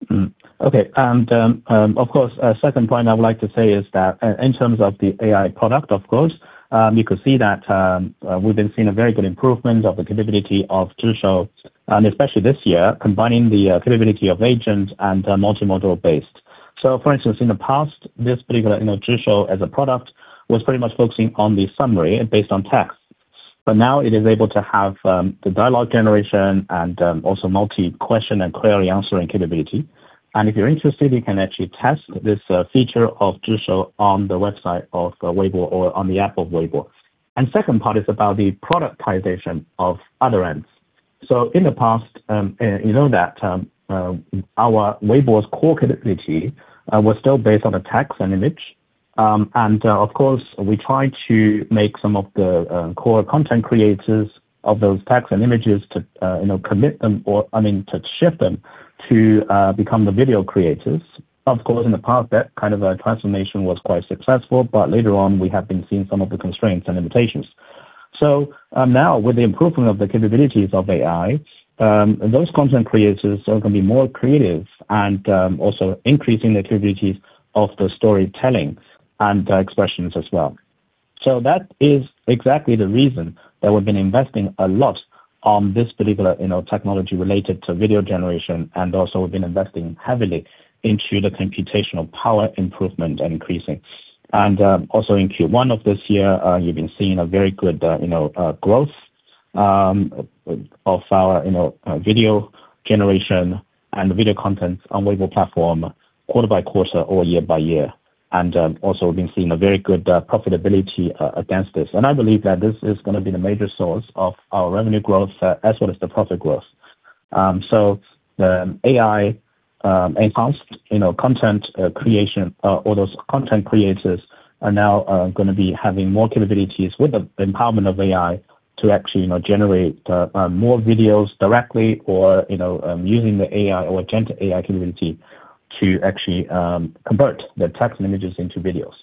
Of course, second point I would like to say is that in terms of the AI product, of course, you could see that, we've been seeing a very good improvement of the capability of Zhisou, and especially this year, combining the capability of agent and multimodal based. For instance, in the past, this particular, you know, Zhisou as a product was pretty much focusing on the summary based on text, but now it is able to have the dialogue generation and also multi question and query answering capability. If you're interested, you can actually test this feature of Zhisou on the website of Weibo or on the app of Weibo. Second part is about the productization of other ends. In the past, you know that our Weibo's core capability was still based on a text and image. Of course, we try to make some of the core content creators of those texts and images to, you know, convert them or I mean to shift them to become the video creators. Of course, in the past, that kind of a transformation was quite successful, but later on, we have been seeing some of the constraints and limitations. Now with the improvement of the capabilities of AI, those content creators are going to be more creative and also increasing the capabilities of the storytelling and expressions as well. That is exactly the reason that we've been investing a lot on this particular, you know, technology related to video generation, and also we've been investing heavily into the computational power improvement and increasing. Also in Q1 of this year, you've been seeing a very good, you know, growth of our video generation and video content on Weibo platform quarter by quarter or year by year. Also we've been seeing a very good profitability against this. I believe that this is gonna be the major source of our revenue growth as well as the profit growth. The AI enhanced, you know, content creation, all those content creators are now gonna be having more capabilities with the empowerment of AI to actually, you know, generate more videos directly or, you know, using the AI or AI agent capability to actually convert the text images into videos.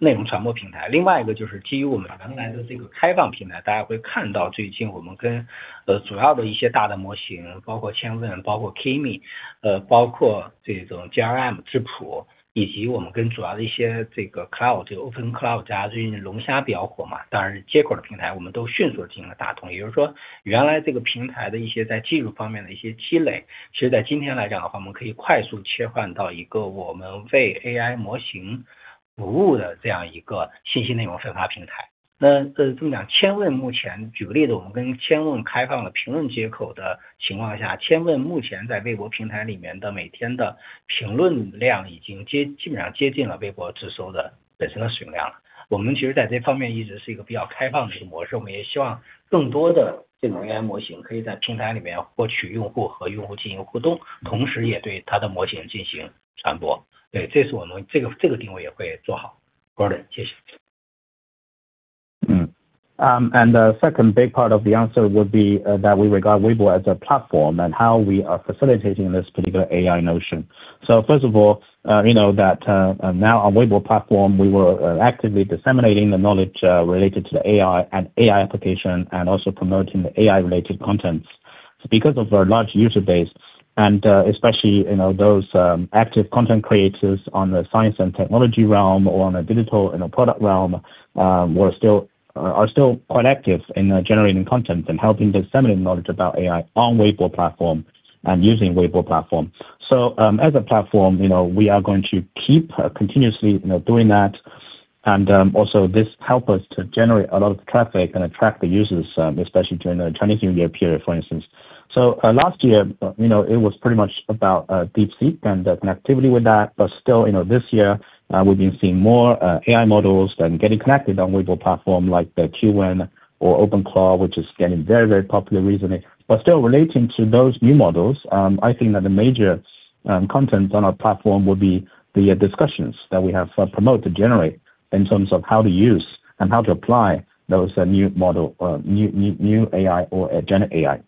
另外一个就是微博作为平台本身的一个定位。当然首先第一个，其实刚才在script里我已经讲了，就是微博作为AI模型的使用传播和这种宣传的一个平台，这个是我们必须要去做好的。其实也因为微博庞大的这样一个用户基数，以及这种科技和数码博主以往在微博上面的强势，其实本身AI模型，平台不去推，平台里面就会有越来越多的这种AI的内容在生产，也给我们带来了在春节期间更高的一个流量。非常不一样的是，去年DeepSeek还是以媒体报道为主，但是今年的Seedance，包括千问这些模型的推出，用户基本上都是以讨论如何使用为主的，包括最近的Claude，其实主要还是用户在平台上讨论如何使用。那这个其实对我们本身的这样一个生态会更有帮助。这是作为一个内容传播平台。另外一个就是基于我们刚来的这个开放平台，大家会看到最近我们跟主要的一些大的模型，包括千问，包括Kimi，包括这种Zhipu，以及我们跟主要的一些这个Claude，这个OpenCloud，加最近的龙虾比较火嘛，当然接口的平台我们都迅速地进行了打通。也就是说原来这个平台的一些在技术方面的一些积累，其实在今天来讲的话，我们可以快速切换到一个我们为AI模型服务的这样一个信息内容分发平台。那这么讲，千问目前，举个例子，我们跟千问开放了评论接口的情况下，千问目前在微博平台里面每天的评论量已经基本上接近了智搜本身的使用量了。我们其实在这方面一直是一个比较开放的一个模式，我们也希望更多的这种AI模型可以在平台里面获取用户和用户进行互动，同时也对它的模型进行传播。这是我们这个定位也会做好。Gordon，谢谢。The second big part of the answer would be that we regard Weibo as a platform and how we are facilitating this particular AI notion. First of all, you know that now on Weibo platform, we were actively disseminating the knowledge related to the AI and AI application and also promoting the AI related contents. Because of our large user base and especially you know those active content creators on the science and technology realm, or on a digital and a product realm, are still quite active in generating content and helping disseminate knowledge about AI on Weibo platform and using Weibo platform. As a platform you know we are going to keep continuously doing that, and also this help us to generate a lot of traffic and attract the users, especially during the Chinese New Year period, for instance. Last year, you know it was pretty much about DeepSeek and the connectivity with that. Still, you know, this year we've been seeing more AI models than getting connected on Weibo platform like the Qwen or Claude, which is getting very, very popular recently. Still relating to those new models, I think that the major content on our platform will be the discussions that we hope to generate in terms of how to use and how to apply those new model or new AI or agent AI.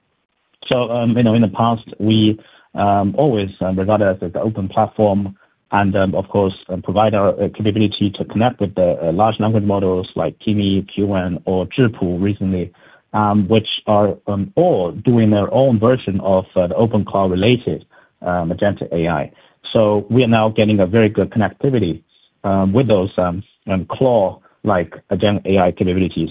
You know, in the past, we always regarded ourselves as the open platform and of course provide our capability to connect with the large language models like Kimi, Qwen, or Zhipu recently, which are all doing their own version of the Claude-related agent AI. We are now getting a very good connectivity with those Claude-like agent AI capabilities.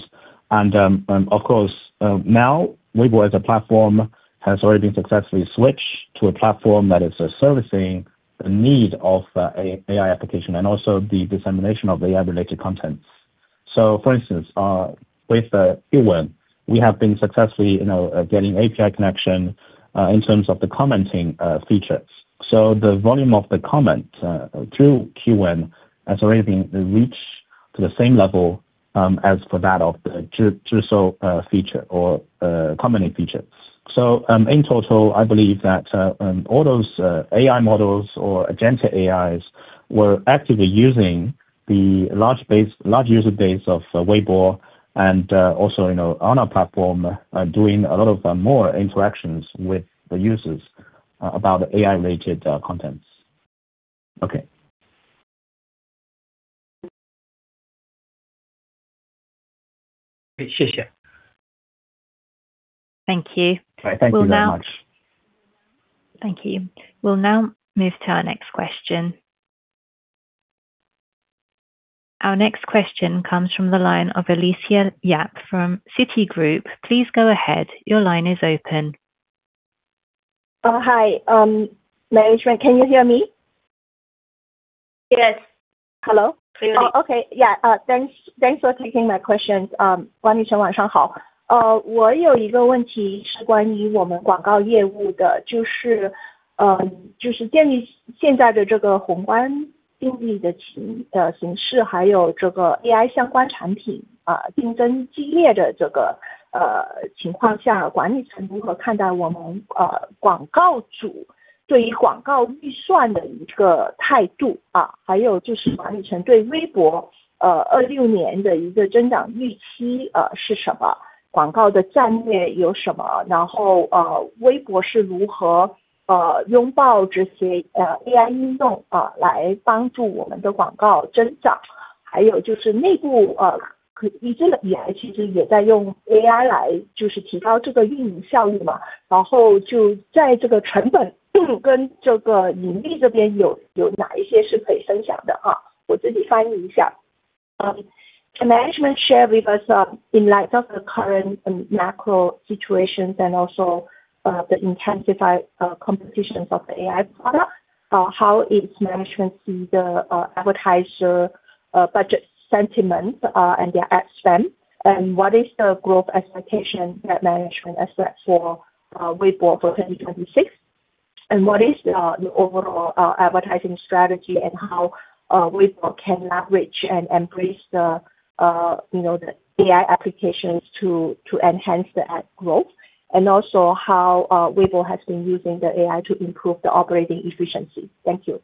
Of course now Weibo as a platform has already been successfully switched to a platform that is servicing the need of an AI application and also the dissemination of AI related contents. For instance, with the Qwen, we have been successfully, you know, getting API connection in terms of the commenting features. The volume of the comment through Qwen has already been reached to the same level as for that of the Zhisou feature or commenting feature. In total, I believe that all those AI models or agent AIs were actively using the large base, large user base of Weibo and also, you know, on our platform, doing a lot of more interactions with the users about AI related contents. Okay. 谢谢。Thank you. Thank you very much. Thank you. We'll now move to our next question. Our next question comes from the line of Alicia Yap from Citigroup. Please go ahead. Your line is open. Oh hi, management, can you hear me? Yes. Hello？ Clearly. Oh okay, yeah, thanks for taking my question. Can management share with us, in light of the current macro situations and also the intensified competitions of the AI product, how is management see the advertiser budget sentiment and their ad spend? What is the growth expectation that management has set for Weibo for 2026? What is the overall advertising strategy and how Weibo can leverage and embrace you know the AI applications to enhance the ad growth? And also how Weibo has been using the AI to improve the operating efficiency. Thank you.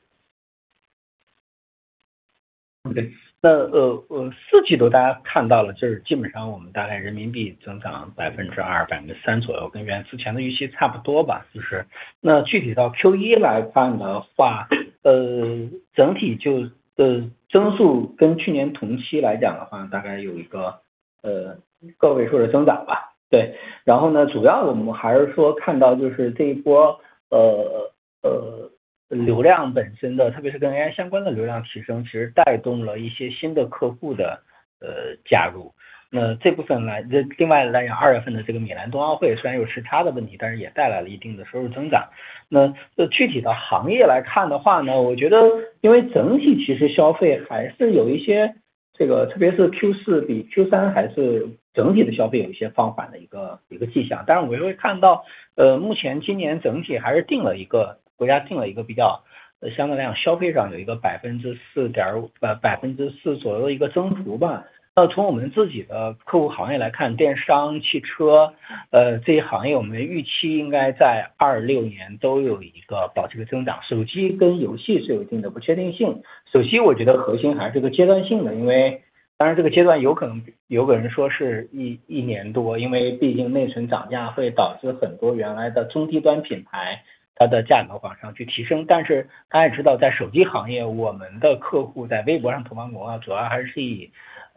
对，那四季度大家看到了，就是基本上我们大概人民币增长2%、3%左右，跟之前的预期差不多吧。那具体到Q1来看的话，整体的增速跟去年同期来讲的话，大概有一个个位数的增长吧。对，然后呢，主要我们还是说看到就是这一波流量本身的，特别是跟AI相关的流量提升，其实带动了一些新的客户的加入。那这另外来讲，二月份的这个米兰冬奥会虽然有时差的问题，但是也带来了一定的收入增长。那这具体的行业来看的话呢，我觉得因为整体其实消费还是有一些，这个特别是Q4比Q3还是整体的消费有一些放缓的一个迹象。当然我们也会看到，目前今年整体还是定了一个，回家定了一个比较，相对来讲消费上有一个4.5%、4%左右的一个增速吧。那从我们自己的客户行业来看，电商、汽车，这些行业我们预期应该在2026年都有一个保持一个增长。手机跟游戏是有一定的不确定性。手机我觉得核心还是这个阶段性的，因为当然这个阶段有可能，有个人说是一年多，因为毕竟内存涨价会导致很多原来的中低端品牌它的价格往上去提升。但是大家也知道，在手机行业，我们的客户在微博上投放广告主要还是以中高端的机型为主要投放，我们现在还不好说客户会减少，从客户沟通的框架来看的话，目前看是基本上持平的。对，但是这个执行我们还要再看。Gordon，要不你先翻译一下。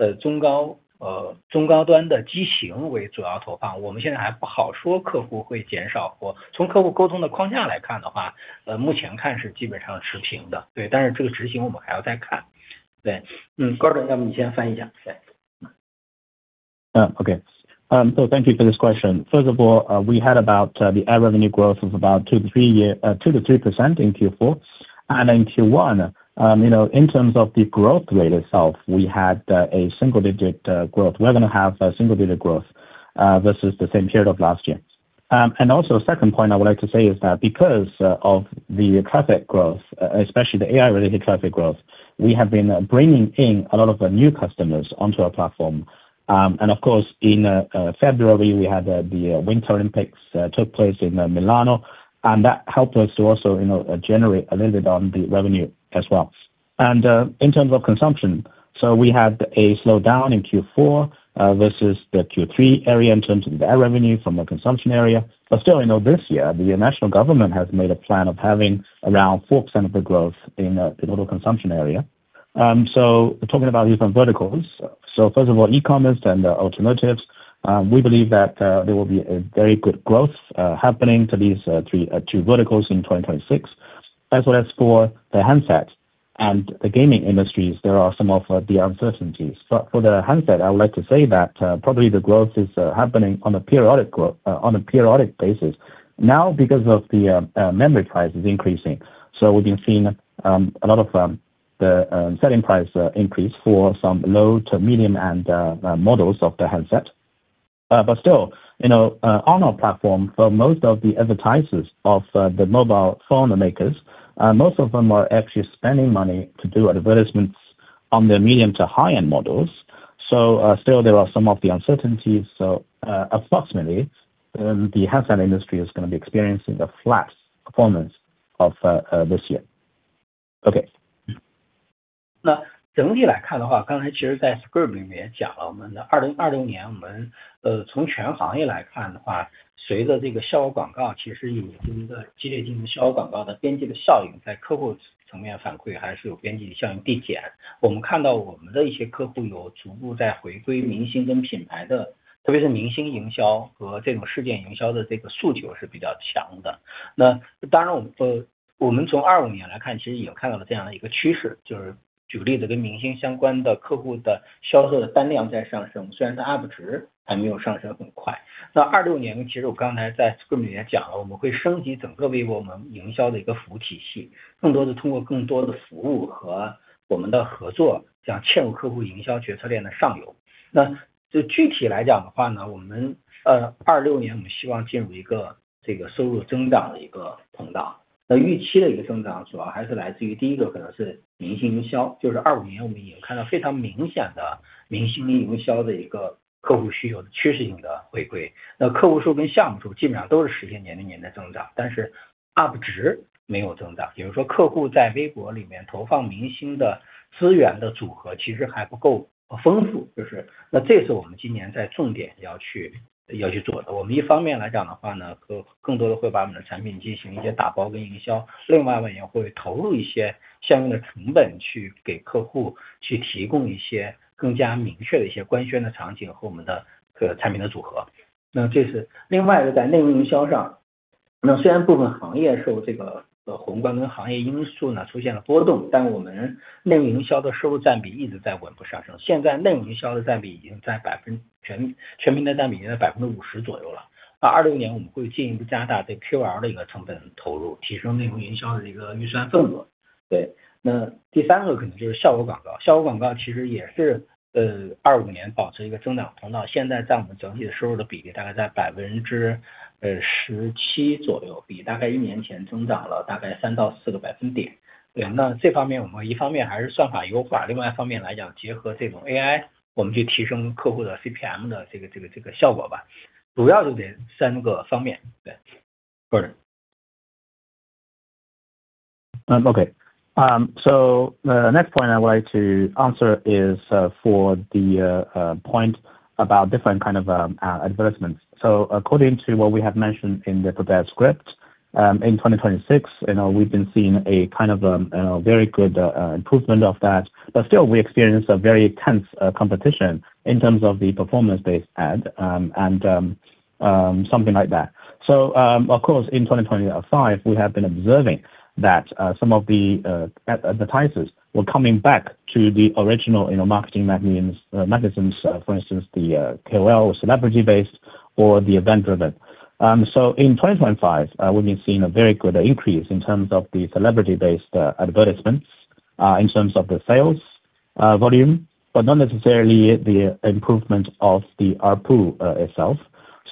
OK. Thank you for this question. First of all, we had about the ad revenue growth of about 2%-3% in Q4. In Q1, you know, in terms of the growth rate itself, we're gonna have a single-digit growth versus the same period of last year. Second point I would like to say is that because of the traffic growth, especially the AI-related traffic growth, we have been bringing in a lot of new customers onto our platform. Of course, in February, we had the Winter Olympics took place in Milan, and that helped us to also, you know, generate a little bit on the revenue as well. In terms of consumption, we had a slowdown in Q4 versus the Q3 era in terms of the ad revenue from a consumption area. Still, you know, this year the national government has made a plan of having around 4% of the growth in the total consumption area. Talking about these verticals. First of all, e-commerce and alternatives, we believe that there will be a very good growth happening to these two verticals in 2026. As well as for the handsets and the gaming industries, there are some of the uncertainties. For the handset, I would like to say that probably the growth is happening on a periodic basis. Now because of the memory price is increasing, we've been seeing a lot of the selling price increase for some low to medium end models of the handset. Still, you know, on our platform, for most of the advertisers of the mobile phone makers, most of them are actually spending money to do advertisements on their medium to high-end models. Still there are some of the uncertainties. Approximately, the handset industry is going to be experiencing a flat performance of this year. Okay. The next point I'd like to answer is for the point about different kind of advertisements. According to what we have mentioned in the prepared script, in 2026, you know, we've been seeing a kind of very good improvement of that, but still we experienced a very tense competition in terms of the performance based ad, and something like that. Of course, in 2025, we have been observing that some of the advertisers were coming back to the original, you know, marketing magazines, for instance, the KOL celebrity based or the event driven. In 2025, we've been seeing a very good increase in terms of the celebrity based advertisements in terms of the sales volume, but not necessarily the improvement of the ARPU itself.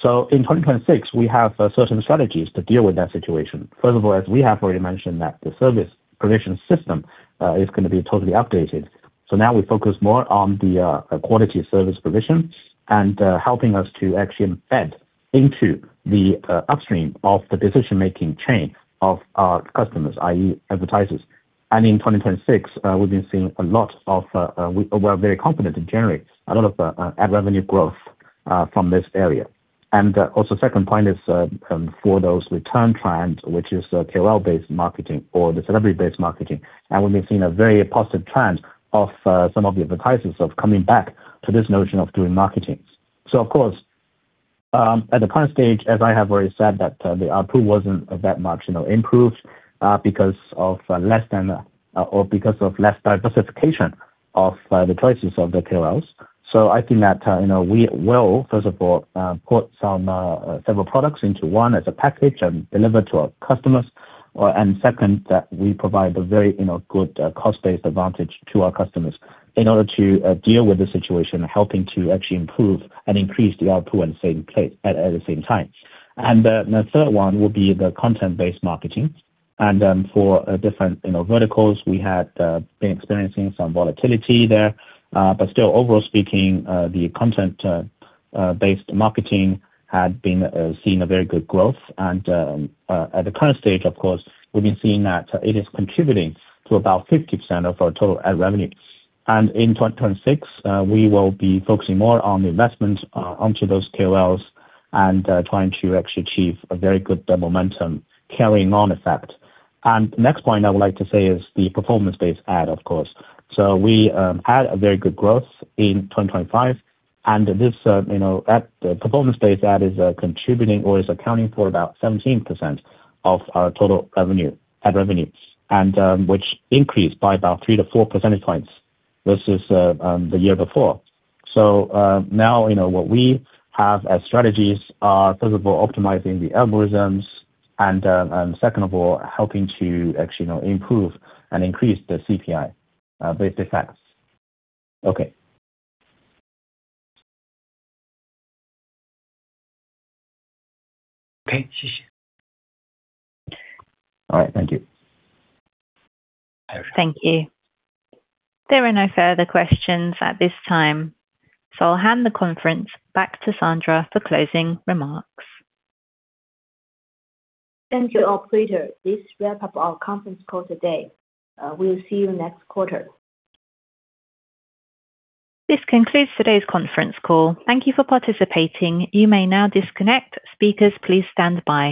In 2026, we have certain strategies to deal with that situation. First of all, as we have already mentioned that the service provision system is gonna be totally updated. Now we focus more on the quality of service provision and helping us to actually embed into the upstream of the decision making chain of our customers, i.e. advertisers. In 2026, we're very confident to generate a lot of ad revenue growth from this area. Also, the second point is for those return trends, which is the KOL based marketing or the celebrity based marketing, and we've been seeing a very positive trend of some of the advertisers coming back to this notion of doing marketings. Of course, at the current stage, as I have already said that the ARPU wasn't that much, you know, improved, because of less diversification of the choices of the KOLs. I think that, you know, we will, first of all, put several products into one as a package and deliver to our customers. Second, we provide a very, you know, good cost based advantage to our customers in order to deal with the situation, helping to actually improve and increase the ARPU at the same time. The third one will be the content based marketing. For different, you know, verticals, we had been experiencing some volatility there. But still, overall speaking, the content based marketing had been seeing a very good growth. At the current stage, of course, we've been seeing that it is contributing to about 50% of our total ad revenue. In 2026, we will be focusing more on the investment onto those KOLs and trying to actually achieve a very good momentum carrying on effect. Next point I would like to say is the performance based ad, of course. We had a very good growth in 2025. This, you know, the performance based ad is contributing or is accounting for about 17% of our total ad revenues, which increased by about 3-4 percentage points versus the year before. Now, what we have as strategies are first of all optimizing the algorithms and second of all, helping to actually, you know, improve and increase the CPM based effects. 好，谢谢。All right. Thank you. Thank you. There are no further questions at this time, so I'll hand the conference back to Sandra for closing remarks. Thank you, operator. This wraps up our conference call today. We'll see you next quarter. This concludes today's conference call. Thank you for participating. You may now disconnect. Speakers, please stand by